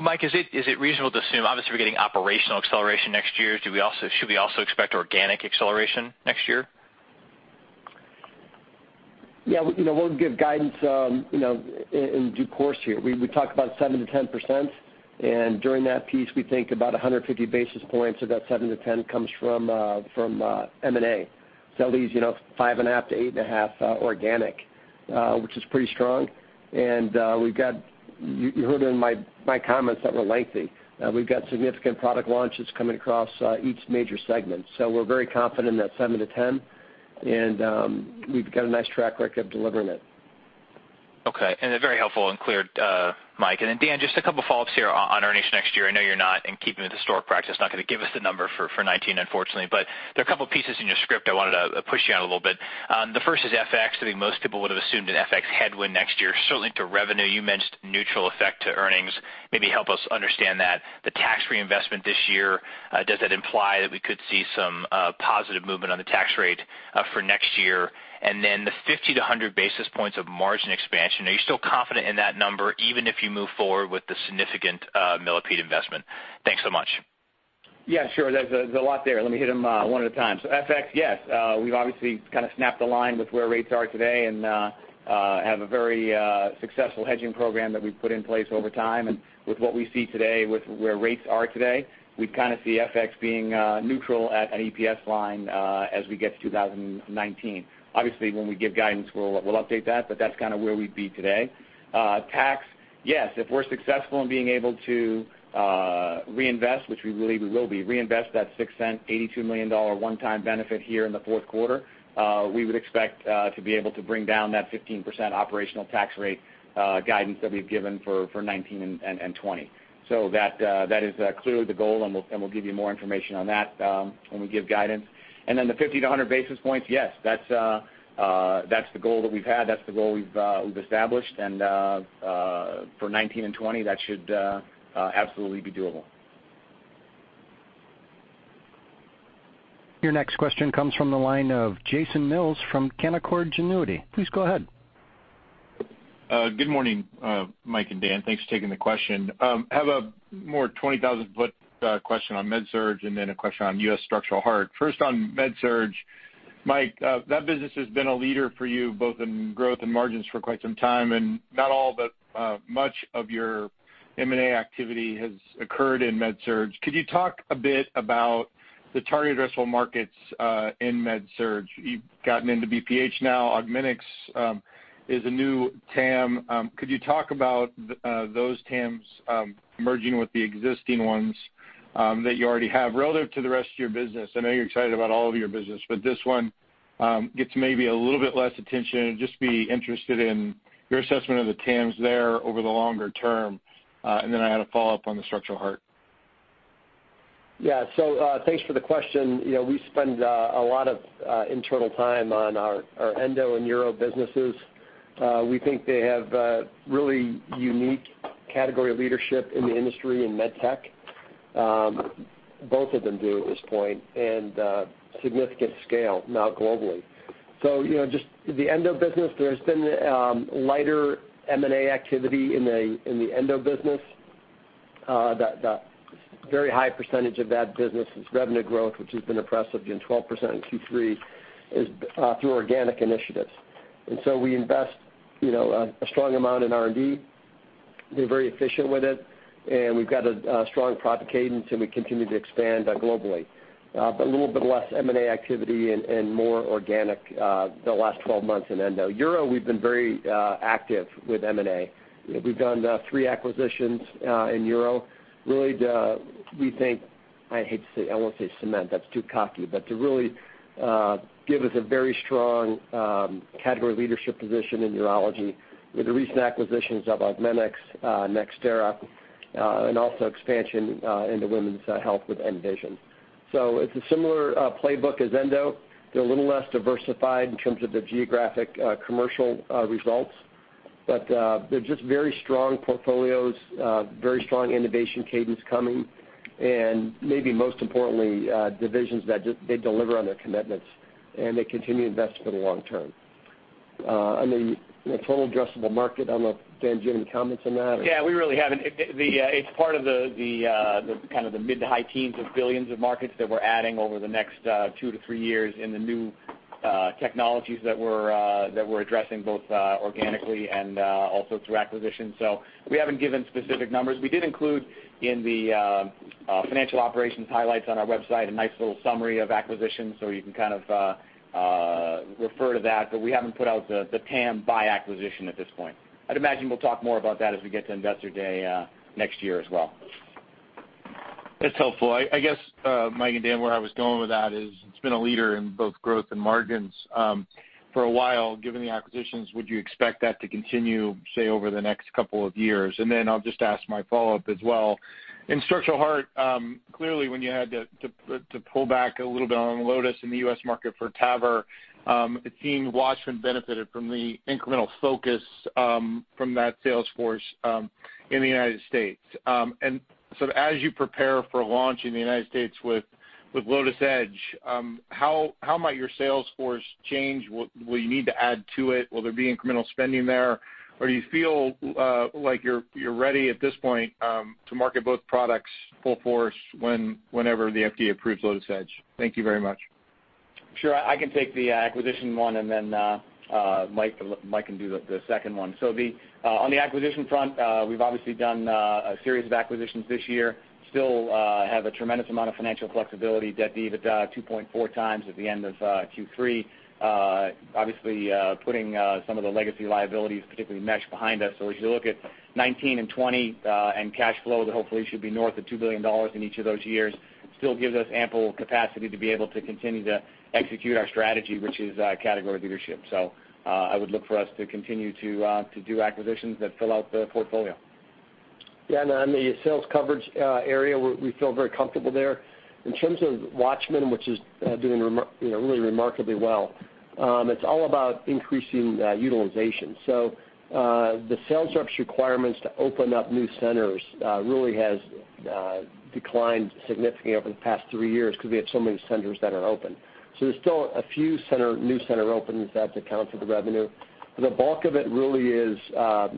Mike, is it reasonable to assume, obviously, we're getting operational acceleration next year. Should we also expect organic acceleration next year? Yeah. We'll give guidance in due course here. We talk about 7%-10%, and during that piece, we think about 150 basis points of that 7%-10% comes from M&A. That leaves 5.5%-8.5% organic, which is pretty strong. You heard in my comments that were lengthy, we've got significant product launches coming across each major segment. We're very confident in that 7%-10%, and we've got a nice track record of delivering it. Okay. Very helpful and clear, Mike. Dan, just a couple follow-ups here on earnings next year. I know you're not, in keeping with historic practice, not going to give us the number for 2019, unfortunately, but there are a couple pieces in your script I wanted to push you on a little bit. The first is FX. I think most people would have assumed an FX headwind next year, certainly to revenue. You mentioned neutral effect to earnings. Maybe help us understand that. The tax reinvestment this year, does that imply that we could see some positive movement on the tax rate for next year? The 50-100 basis points of margin expansion, are you still confident in that number, even if you move forward with the significant Millipede investment? Thanks so much. Yeah, sure. There's a lot there. Let me hit them one at a time. FX, yes. We've obviously kind of snapped the line with where rates are today and have a very successful hedging program that we've put in place over time. With what we see today, with where rates are today, we kind of see FX being neutral at an EPS line as we get to 2019. Obviously, when we give guidance, we'll update that, but that's kind of where we'd be today. Tax, yes. If we're successful in being able to reinvest, which we believe we will be, reinvest that $0.06, $82 million one-time benefit here in the fourth quarter, we would expect to be able to bring down that 15% operational tax rate guidance that we've given for 2019 and 2020. That is clearly the goal, and we'll give you more information on that when we give guidance. The 50-100 basis points, yes. That's the goal that we've had. That's the goal we've established. For 2019 and 2020, that should absolutely be doable. Your next question comes from the line of Jason Mills from Canaccord Genuity. Please go ahead. Good morning, Mike and Dan. Thanks for taking the question. I have a more 20,000 foot question on MedSurg and then a question on U.S. structural heart. First on MedSurg, Mike, that business has been a leader for you both in growth and margins for quite some time, and not all, but much of your M&A activity has occurred in MedSurg. Could you talk a bit about the target addressable markets in MedSurg? You've gotten into BPH now. Augmenix is a new TAM. Could you talk about those TAMs merging with the existing ones that you already have relative to the rest of your business? I know you're excited about all of your business, but this one gets maybe a little bit less attention. I'd just be interested in your assessment of the TAMs there over the longer term. Then I had a follow-up on the structural heart. Thanks for the question. We spend a lot of internal time on our endo and neuro businesses. We think they have a really unique category leadership in the industry in med tech, both of them do at this point, and significant scale now globally. Just the endo business, there's been lighter M&A activity in the endo business. A very high percentage of that business is revenue growth, which has been impressive, doing 12% in Q3, is through organic initiatives. We invest a strong amount in R&D. We're very efficient with it, and we've got a strong product cadence, and we continue to expand globally. A little bit less M&A activity and more organic the last 12 months in endo. Neuro, we've been very active with M&A. We've done three acquisitions in neuro. Really, we think I won't say cement, that's too cocky, but to really give us a very strong category leadership position in neurology with the recent acquisitions of Augmenix, NxThera, and also expansion into women's health with nVision. It's a similar playbook as endo. They're a little less diversified in terms of their geographic commercial results. They're just very strong portfolios, very strong innovation cadence coming, and maybe most importantly, divisions that just, they deliver on their commitments, and they continue to invest for the long term. On the total addressable market, I don't know if Dan, do you have any comments on that? Yeah, we really haven't. It's part of the mid to high teens of billions of markets that we're adding over the next 2 to 3 years in the new technologies that we're addressing, both organically and also through acquisition. We haven't given specific numbers. We did include in the financial operations highlights on our website, a nice little summary of acquisitions, so you can kind of refer to that, but we haven't put out the TAM by acquisition at this point. I'd imagine we'll talk more about that as we get to Investor Day next year as well. That's helpful. I guess, Mike and Dan, where I was going with that is, it's been a leader in both growth and margins for a while. Given the acquisitions, would you expect that to continue, say, over the next couple of years? I'll just ask my follow-up as well. In structural heart, clearly when you had to pull back a little bit on Lotus in the U.S. market for TAVR, it seemed WATCHMAN benefited from the incremental focus from that sales force in the United States. As you prepare for launch in the United States with Lotus Edge, how might your sales force change? Will you need to add to it? Will there be incremental spending there? Do you feel like you're ready at this point to market both products full force whenever the FDA approves Lotus Edge? Thank you very much. Sure. I can take the acquisition one, and then Mike can do the second one. On the acquisition front, we've obviously done a series of acquisitions this year. Still have a tremendous amount of financial flexibility, debt-to-EBITDA 2.4x at the end of Q3. Obviously putting some of the legacy liabilities, particularly mesh, behind us. As you look at 2019 and 2020, and cash flow that hopefully should be north of $2 billion in each of those years, still gives us ample capacity to be able to continue to execute our strategy, which is category leadership. I would look for us to continue to do acquisitions that fill out the portfolio. Yeah, on the sales coverage area, we feel very comfortable there. In terms of WATCHMAN, which is doing really remarkably well, it's all about increasing utilization. The sales reps requirements to open up new centers really has declined significantly over the past 3 years because we have so many centers that are open. There's still a few new center openings that account for the revenue. The bulk of it really is a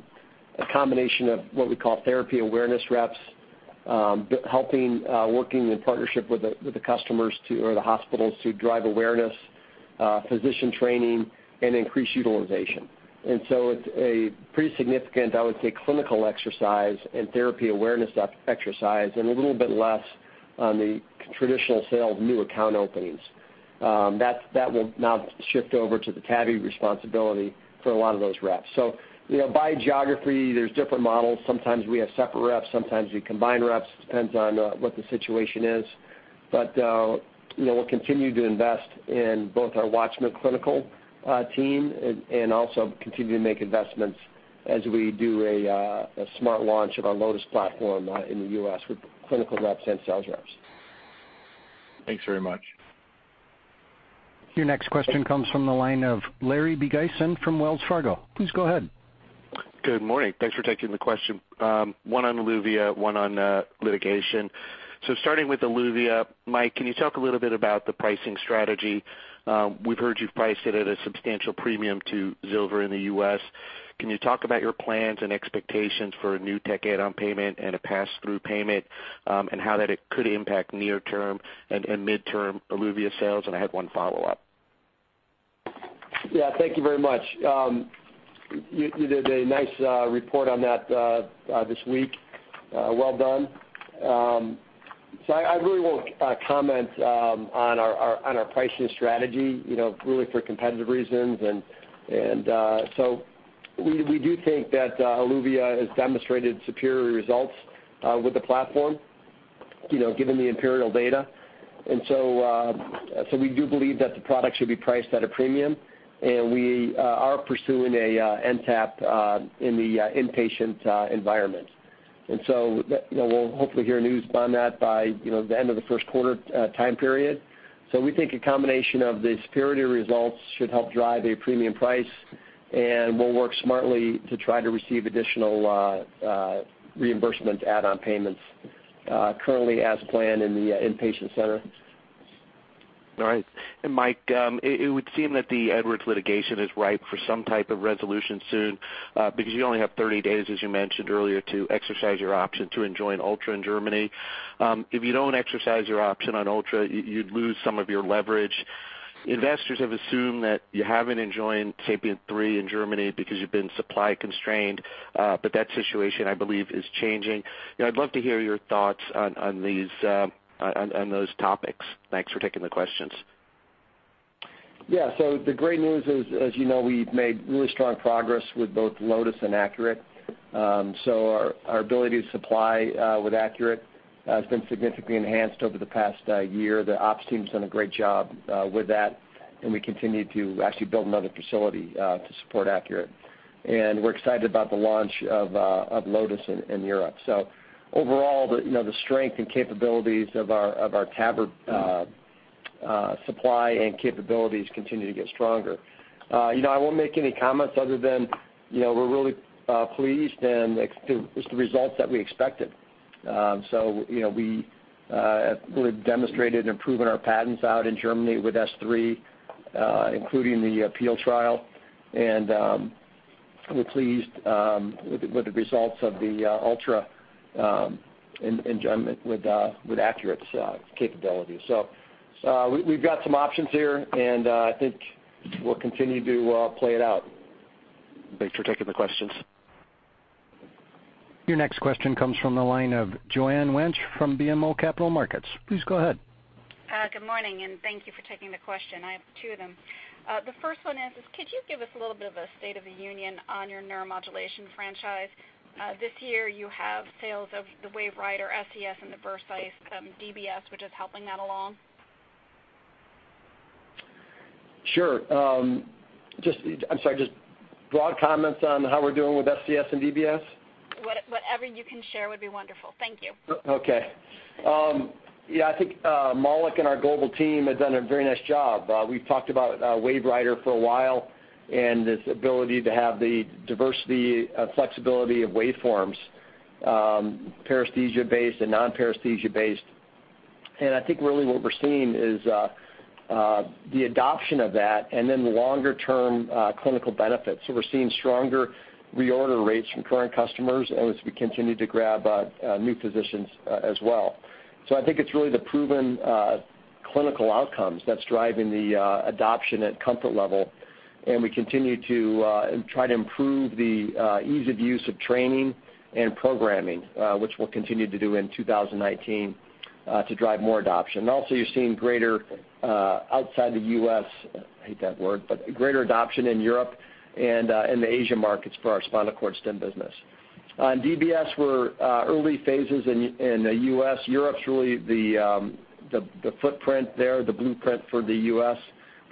combination of what we call therapy awareness reps, helping working in partnership with the customers or the hospitals to drive awareness, physician training, and increase utilization. It's a pretty significant, I would say, clinical exercise and therapy awareness exercise and a little bit less on the traditional sales new account openings. That will now shift over to the TAVI responsibility for a lot of those reps. By geography, there's different models. Sometimes we have separate reps, sometimes we combine reps. It depends on what the situation is. We'll continue to invest in both our WATCHMAN clinical team and also continue to make investments as we do a smart launch of our Lotus platform in the U.S. with clinical reps and sales reps. Thanks very much. Your next question comes from the line of Larry Biegelsen from Wells Fargo. Please go ahead. Good morning. Thanks for taking the question. One on Eluvia, one on litigation. Starting with Eluvia, Mike, can you talk a little bit about the pricing strategy? We've heard you've priced it at a substantial premium to Zilver PTX in the U.S. Can you talk about your plans and expectations for a new tech add-on payment and a pass-through payment, and how that it could impact near-term and midterm Eluvia sales? I have one follow-up. Yeah, thank you very much. You did a nice report on that this week. Well done. I really won't comment on our pricing strategy really for competitive reasons. We do think that Eluvia has demonstrated superior results with the platform, given the IMPERIAL data. We do believe that the product should be priced at a premium, and we are pursuing a NTAP in the inpatient environment. We'll hopefully hear news on that by the end of the first quarter time period. We think a combination of the superiority results should help drive a premium price, and we'll work smartly to try to receive additional reimbursement add-on payments currently as planned in the inpatient center. All right. Mike, it would seem that the Edwards litigation is ripe for some type of resolution soon, because you only have 30 days, as you mentioned earlier, to exercise your option to enjoin Ultra in Germany. If you don't exercise your option on Ultra, you'd lose some of your leverage. Investors have assumed that you haven't enjoined SAPIEN 3 in Germany because you've been supply constrained, but that situation, I believe, is changing. I'd love to hear your thoughts on those topics. Thanks for taking the questions. Yeah. The great news is, as you know, we've made really strong progress with both Lotus and ACURATE. Our ability to supply with ACURATE has been significantly enhanced over the past year. The ops team's done a great job with that, and we continue to actually build another facility to support ACURATE. We're excited about the launch of Lotus in Europe. Overall, the strength and capabilities of our TAVR supply and capabilities continue to get stronger. I won't make any comments other than, we're really pleased, and it's the results that we expected. We've demonstrated and proven our patents out in Germany with S3, including the appeal trial, and we're pleased with the results of the Ultra enjoinment with ACURATE's capabilities. We've got some options here, and I think we'll continue to play it out. Thanks for taking the questions. Your next question comes from the line of Joanne Wuensch from BMO Capital Markets. Please go ahead. Good morning. Thank you for taking the question. I have two of them. The first one is, could you give us a little bit of a state of the union on your Neuromodulation franchise? This year, you have sales of the WaveWriter SCS and the Vercise DBS, which is helping that along. Sure. I'm sorry, just broad comments on how we're doing with SCS and DBS? Whatever you can share would be wonderful. Thank you. Okay. Yeah, I think Maulik and our global team have done a very nice job. We've talked about WaveWriter for a while and its ability to have the diversity of flexibility of waveforms, paresthesia-based and non-paresthesia-based. I think really what we're seeing is the adoption of that and then the longer-term clinical benefits. We're seeing stronger reorder rates from current customers, and as we continue to grab new physicians as well. I think it's really the proven clinical outcomes that's driving the adoption at comfort level, and we continue to try to improve the ease of use of training and programming, which we'll continue to do in 2019 to drive more adoption. Also, you're seeing greater outside the U.S., hate that word, but greater adoption in Europe and in the Asia markets for our spinal cord stim business. On DBS, we're early phases in the U.S. Europe's really the footprint there, the blueprint for the U.S.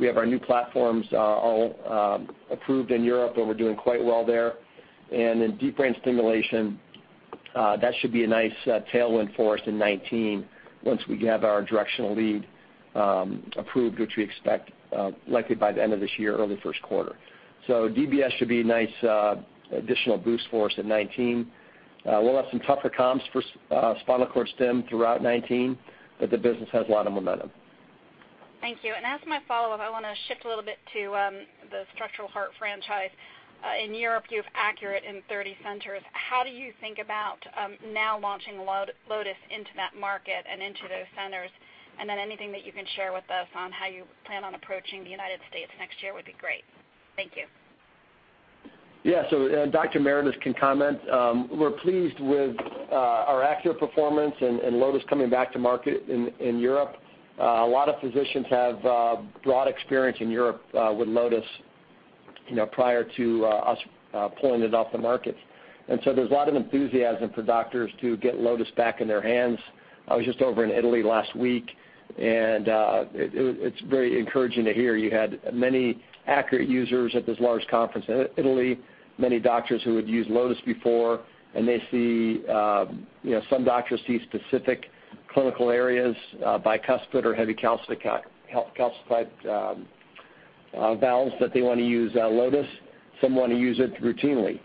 We have our new platforms all approved in Europe, and we're doing quite well there. Deep brain stimulation, that should be a nice tailwind for us in 2019 once we have our directional lead approved, which we expect likely by the end of this year, early first quarter. DBS should be a nice additional boost for us in 2019. We'll have some tougher comps for spinal cord stim throughout 2019, but the business has a lot of momentum. Thank you. As my follow-up, I want to shift a little bit to the structural heart franchise. In Europe, you have ACURATE in 30 centers. How do you think about now launching Lotus into that market and into those centers? Anything that you can share with us on how you plan on approaching the United States next year would be great. Thank you. Yeah. Dr. Meredith can comment. We're pleased with our ACURATE performance and Lotus coming back to market in Europe. A lot of physicians have broad experience in Europe with Lotus prior to us pulling it off the market. There's a lot of enthusiasm for doctors to get Lotus back in their hands. I was just over in Italy last week, and it's very encouraging to hear you had many ACURATE users at this large conference in Italy, many doctors who had used Lotus before, and some doctors see specific clinical areas, bicuspid or heavy calcified valves that they want to use Lotus, some want to use it routinely.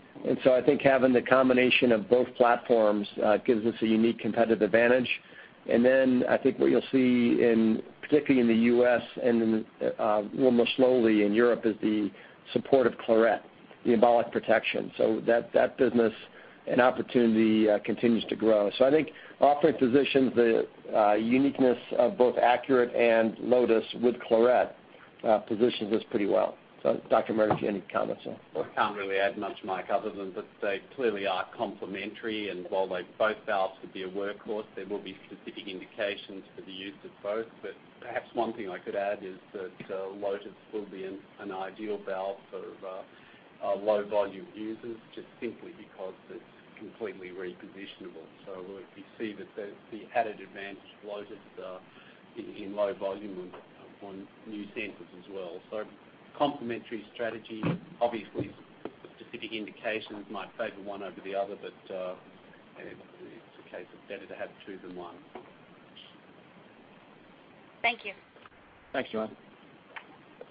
I think having the combination of both platforms gives us a unique competitive advantage. I think what you will see, particularly in the U.S. and then more slowly in Europe, is the support of Claret, the embolic protection. That business and opportunity continues to grow. I think offering physicians the uniqueness of both ACURATE and Lotus with Claret positions us pretty well. Dr. Meredith, any comments there? Well, I cannot really add much, Mike, other than that they clearly are complementary. While both valves would be a workhorse, there will be specific indications for the use of both. Perhaps one thing I could add is that Lotus will be an ideal valve for low-volume users, just simply because it is completely repositionable. We see the added advantage of Lotus in low volume on new centers as well. Complementary strategy, obviously specific indications might favor one over the other, but it is a case of better to have two than one. Thank you. Thanks, Joanne.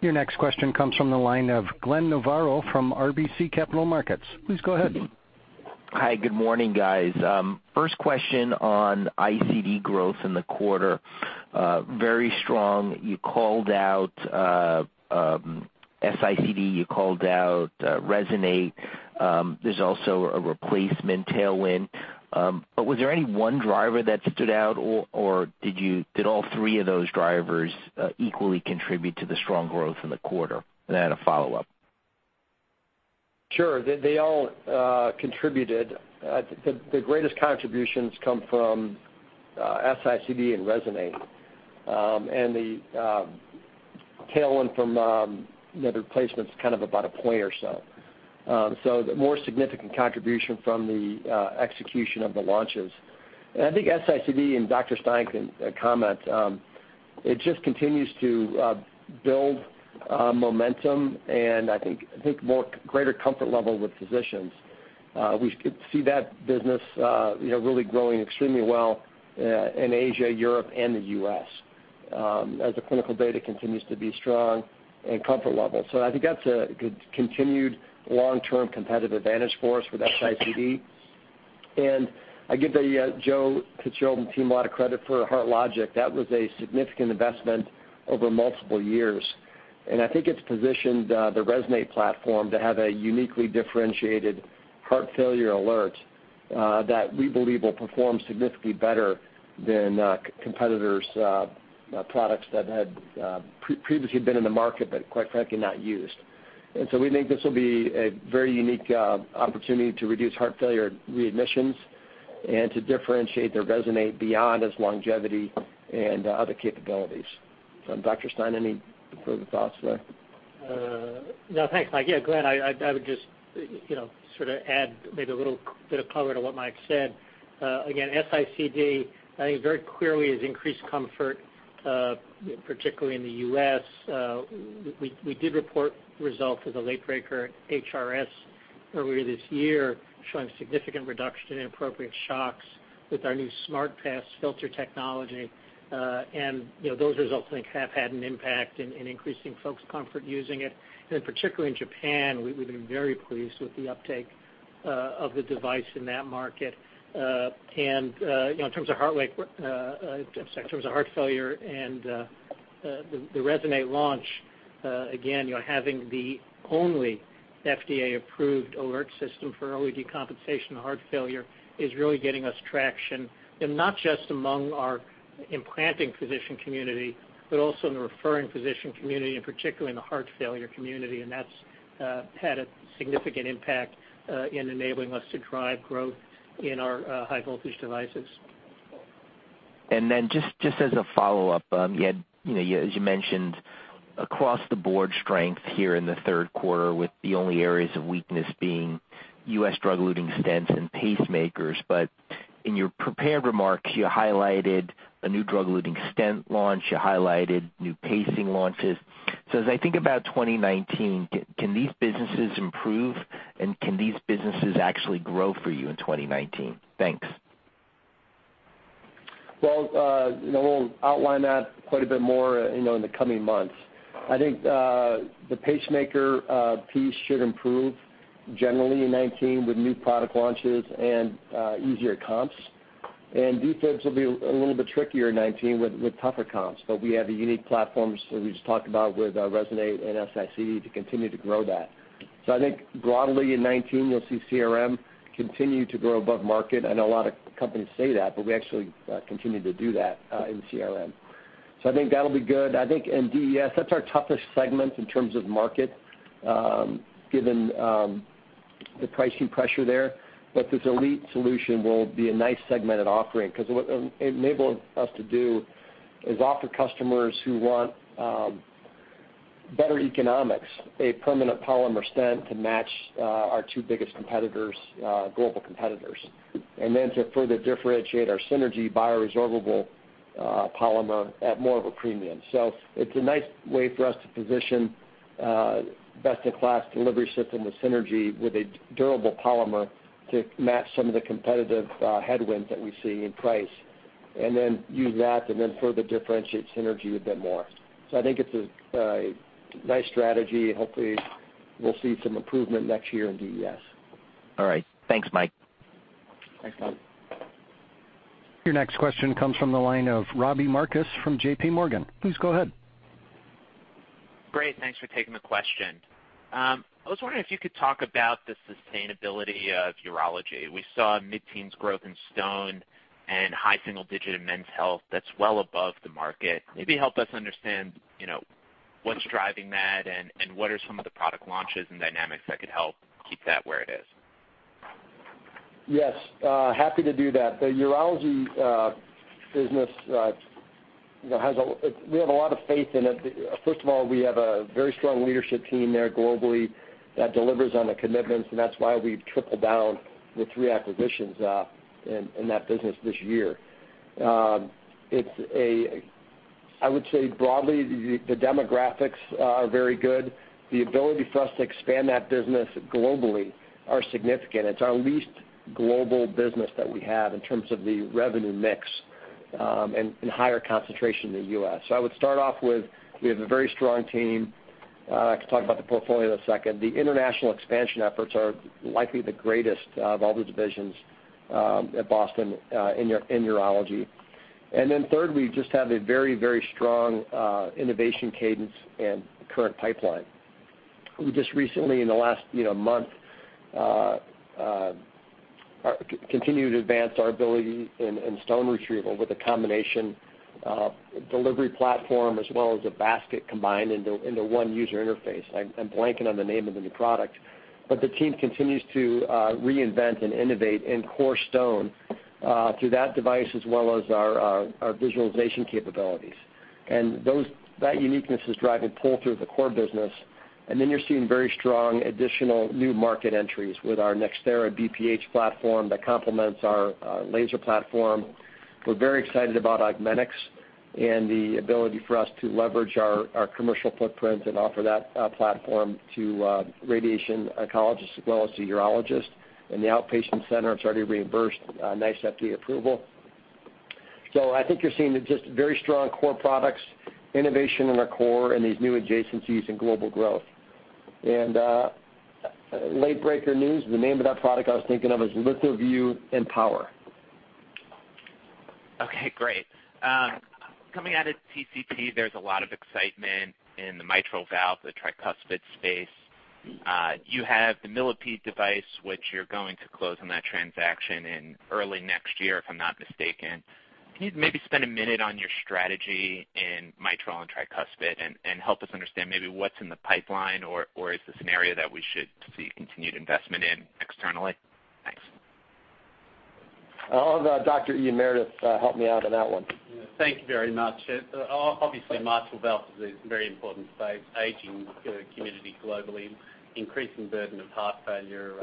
Your next question comes from the line of Glenn Novarro from RBC Capital Markets. Please go ahead. Hi, good morning, guys. First question on ICD growth in the quarter. Very strong. You called out S-ICD, you called out Resonate. There's also a replacement tailwind. Was there any one driver that stood out, or did all three of those drivers equally contribute to the strong growth in the quarter? I had a follow-up. Sure. They all contributed. The greatest contributions come from S-ICD and Resonate. The tailwind from the replacements, kind of about a point or so. The more significant contribution from the execution of the launches. I think S-ICD, and Dr. Stein can comment, it just continues to build momentum, and I think greater comfort level with physicians. We could see that business really growing extremely well in Asia, Europe, and the U.S. as the clinical data continues to be strong and comfort level. I think that's a good continued long-term competitive advantage for us with S-ICD. I give Joe and the team a lot of credit for HeartLogic. That was a significant investment over multiple years, and I think it's positioned the Resonate platform to have a uniquely differentiated heart failure alert that we believe will perform significantly better than competitors' products that had previously been in the market but quite frankly, not used. We think this will be a very unique opportunity to reduce heart failure readmissions and to differentiate the Resonate beyond its longevity and other capabilities. Dr. Stein, any further thoughts there? No, thanks, Mike. Glenn, I would just sort of add maybe a little bit of color to what Mike said. Again, S-ICD, I think very clearly has increased comfort, particularly in the U.S. We did report results as a late breaker at HRS earlier this year showing significant reduction in appropriate shocks with our new SMART Pass filter technology. Those results, I think, have had an impact in increasing folks' comfort using it. Particularly in Japan, we've been very pleased with the uptake of the device in that market. In terms of heart failure and the Resonate launch, again, having the only FDA-approved alert system for early decompensational heart failure is really getting us traction, not just among our implanting physician community, but also in the referring physician community, and particularly in the heart failure community. That's had a significant impact in enabling us to drive growth in our high voltage devices. Just as a follow-up, as you mentioned, across the board strength here in the third quarter with the only areas of weakness being U.S. drug-eluting stents and pacemakers. In your prepared remarks, you highlighted a new drug-eluting stent launch, you highlighted new pacing launches. As I think about 2019, can these businesses improve, and can these businesses actually grow for you in 2019? Thanks. We'll outline that quite a bit more in the coming months. I think the pacemaker piece should improve generally in 2019 with new product launches and easier comps. Defibs will be a little bit trickier in 2019 with tougher comps, but we have the unique platforms that we just talked about with Resonate and S-ICD to continue to grow that. I think broadly in 2019, you'll see CRM continue to grow above market. I know a lot of companies say that, but we actually continue to do that in CRM. I think that'll be good. I think in DES, that's our toughest segment in terms of market, given the pricing pressure there. This ELITE solution will be a nice segmented offering because what it enables us to do is offer customers who want better economics, a permanent polymer stent to match our two biggest global competitors. To further differentiate our SYNERGY bioresorbable polymer at more of a premium. It's a nice way for us to position best-in-class delivery system with SYNERGY with a durable polymer to match some of the competitive headwinds that we see in price. Use that to then further differentiate SYNERGY a bit more. I think it's a nice strategy. Hopefully, we'll see some improvement next year in DES. All right. Thanks, Mike. Thanks, Glenn. Your next question comes from the line of Robbie Marcus from JPMorgan. Please go ahead. Great. Thanks for taking the question. I was wondering if you could talk about the sustainability of urology. We saw mid-teens growth in stone and high single digit in men's health that's well above the market. Help us understand, what's driving that and what are some of the product launches and dynamics that could help keep that where it is? Yes. Happy to do that. The urology business, we have a lot of faith in it. First of all, we have a very strong leadership team there globally that delivers on the commitments, and that's why we've tripled down the three acquisitions in that business this year. I would say broadly, the demographics are very good. The ability for us to expand that business globally are significant. It's our least global business that we have in terms of the revenue mix, and higher concentration in the U.S. I would start off with, we have a very strong team. I could talk about the portfolio in a second. The international expansion efforts are likely the greatest of all the divisions, at Boston, in urology. Third, we just have a very strong innovation cadence and current pipeline. We just recently, in the last month, continued to advance our ability in stone retrieval with a combination delivery platform as well as a basket combined into one user interface. I'm blanking on the name of the new product. The team continues to reinvent and innovate in core stone, through that device, as well as our visualization capabilities. That uniqueness is driving pull through the core business, you're seeing very strong additional new market entries with our NxThera BPH platform that complements our laser platform. We're very excited about Augmenix and the ability for us to leverage our commercial footprint and offer that platform to radiation oncologists as well as to urologists. In the outpatient center, it's already reimbursed a nice FDA approval. I think you're seeing just very strong core products, innovation in our core, and these new adjacencies and global growth. Late-breaker news, the name of that product I was thinking of is LithoVue Empower. Okay, great. Coming out of TCT, there's a lot of excitement in the mitral valve, the tricuspid space. You have the Millipede device, which you're going to close on that transaction in early next year, if I'm not mistaken. Can you maybe spend a minute on your strategy in mitral and tricuspid and help us understand maybe what's in the pipeline, or is this an area that we should see continued investment in externally? Thanks. I'll have Dr. Ian Meredith help me out on that one. Thank you very much. Mitral valve is a very important space. Aging community globally, increasing burden of heart failure,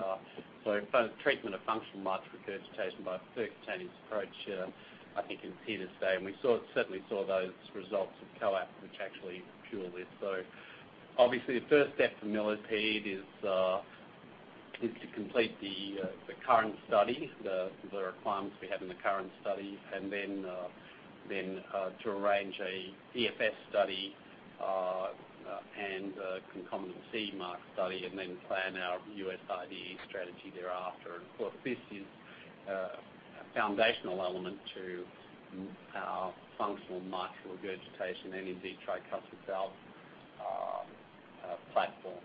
treatment of functional mitral regurgitation by percutaneous approach, I think is here to stay, and we certainly saw those results of COAPT, which actually fuel this. The first step for Millipede is to complete the current study, the requirements we have in the current study, and then to arrange a DFF study, and a concomitant CE mark study, and then plan our U.S. IDE strategy thereafter. This is a foundational element to our functional mitral regurgitation and indeed tricuspid valve platform.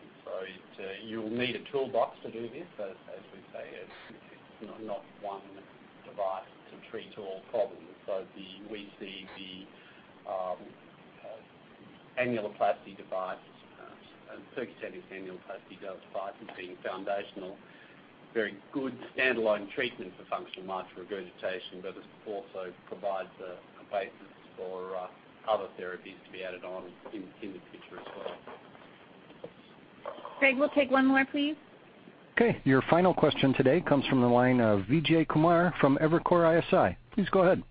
You'll need a toolbox to do this, as we say it. It's not one device to treat all problems. We see the annuloplasty device, and percutaneous annuloplasty device as being foundational, very good standalone treatment for functional mitral regurgitation, but it also provides a basis for other therapies to be added on in the future as well. Greg, we'll take one more, please. Okay. Your final question today comes from the line of Vijay Kumar from Evercore ISI. Please go ahead.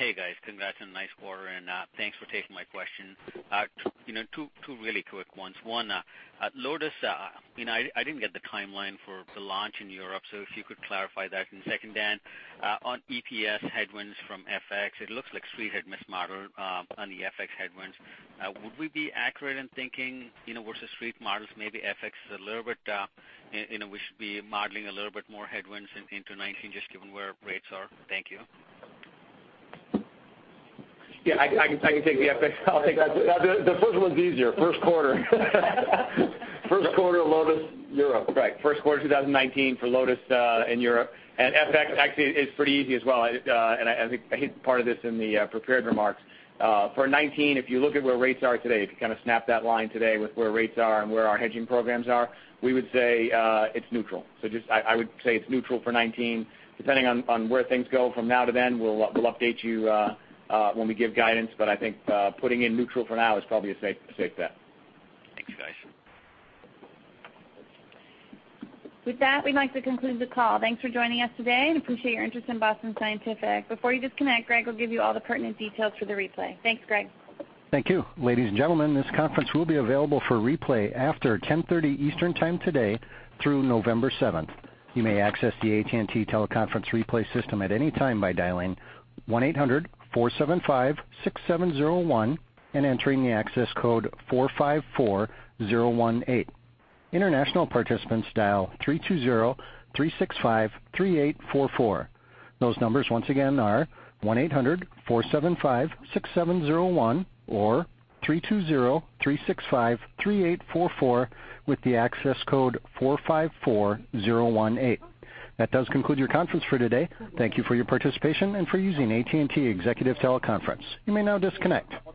Hey, guys. Congrats on a nice quarter, and thanks for taking my question. Two really quick ones. One, Lotus. I didn't get the timeline for the launch in Europe, so if you could clarify that. Second, Dan, on EPS headwinds from FX, it looks like Street had mismodeled on the FX headwinds. Would we be accurate in thinking, versus Street models, maybe FX is a little bit, we should be modeling a little bit more headwinds into 2019, just given where rates are? Thank you. Yeah, I can take the FX. I'll take that. The first one's easier. First quarter. First quarter Lotus Europe. Right. First quarter 2019 for Lotus in Europe. FX actually is pretty easy as well, and I think I hit part of this in the prepared remarks. For 2019, if you look at where rates are today, if you kind of snap that line today with where rates are and where our hedging programs are, we would say it's neutral. I would say it's neutral for 2019. Depending on where things go from now to then, we'll update you when we give guidance, but I think putting in neutral for now is probably a safe bet. Thanks, guys. With that, we'd like to conclude the call. Thanks for joining us today and appreciate your interest in Boston Scientific. Before you disconnect, Greg will give you all the pertinent details for the replay. Thanks, Greg. Thank you. Ladies and gentlemen, this conference will be available for replay after 10:30 Eastern Time today through November 7th. You may access the AT&T teleconference replay system at any time by dialing 1-800-475-6701 and entering the access code 454018. International participants dial 3203653844. Those numbers once again are 1-800-475-6701 or 3203653844 with the access code 454018. That does conclude your conference for today. Thank you for your participation and for using AT&T Executive Teleconference. You may now disconnect.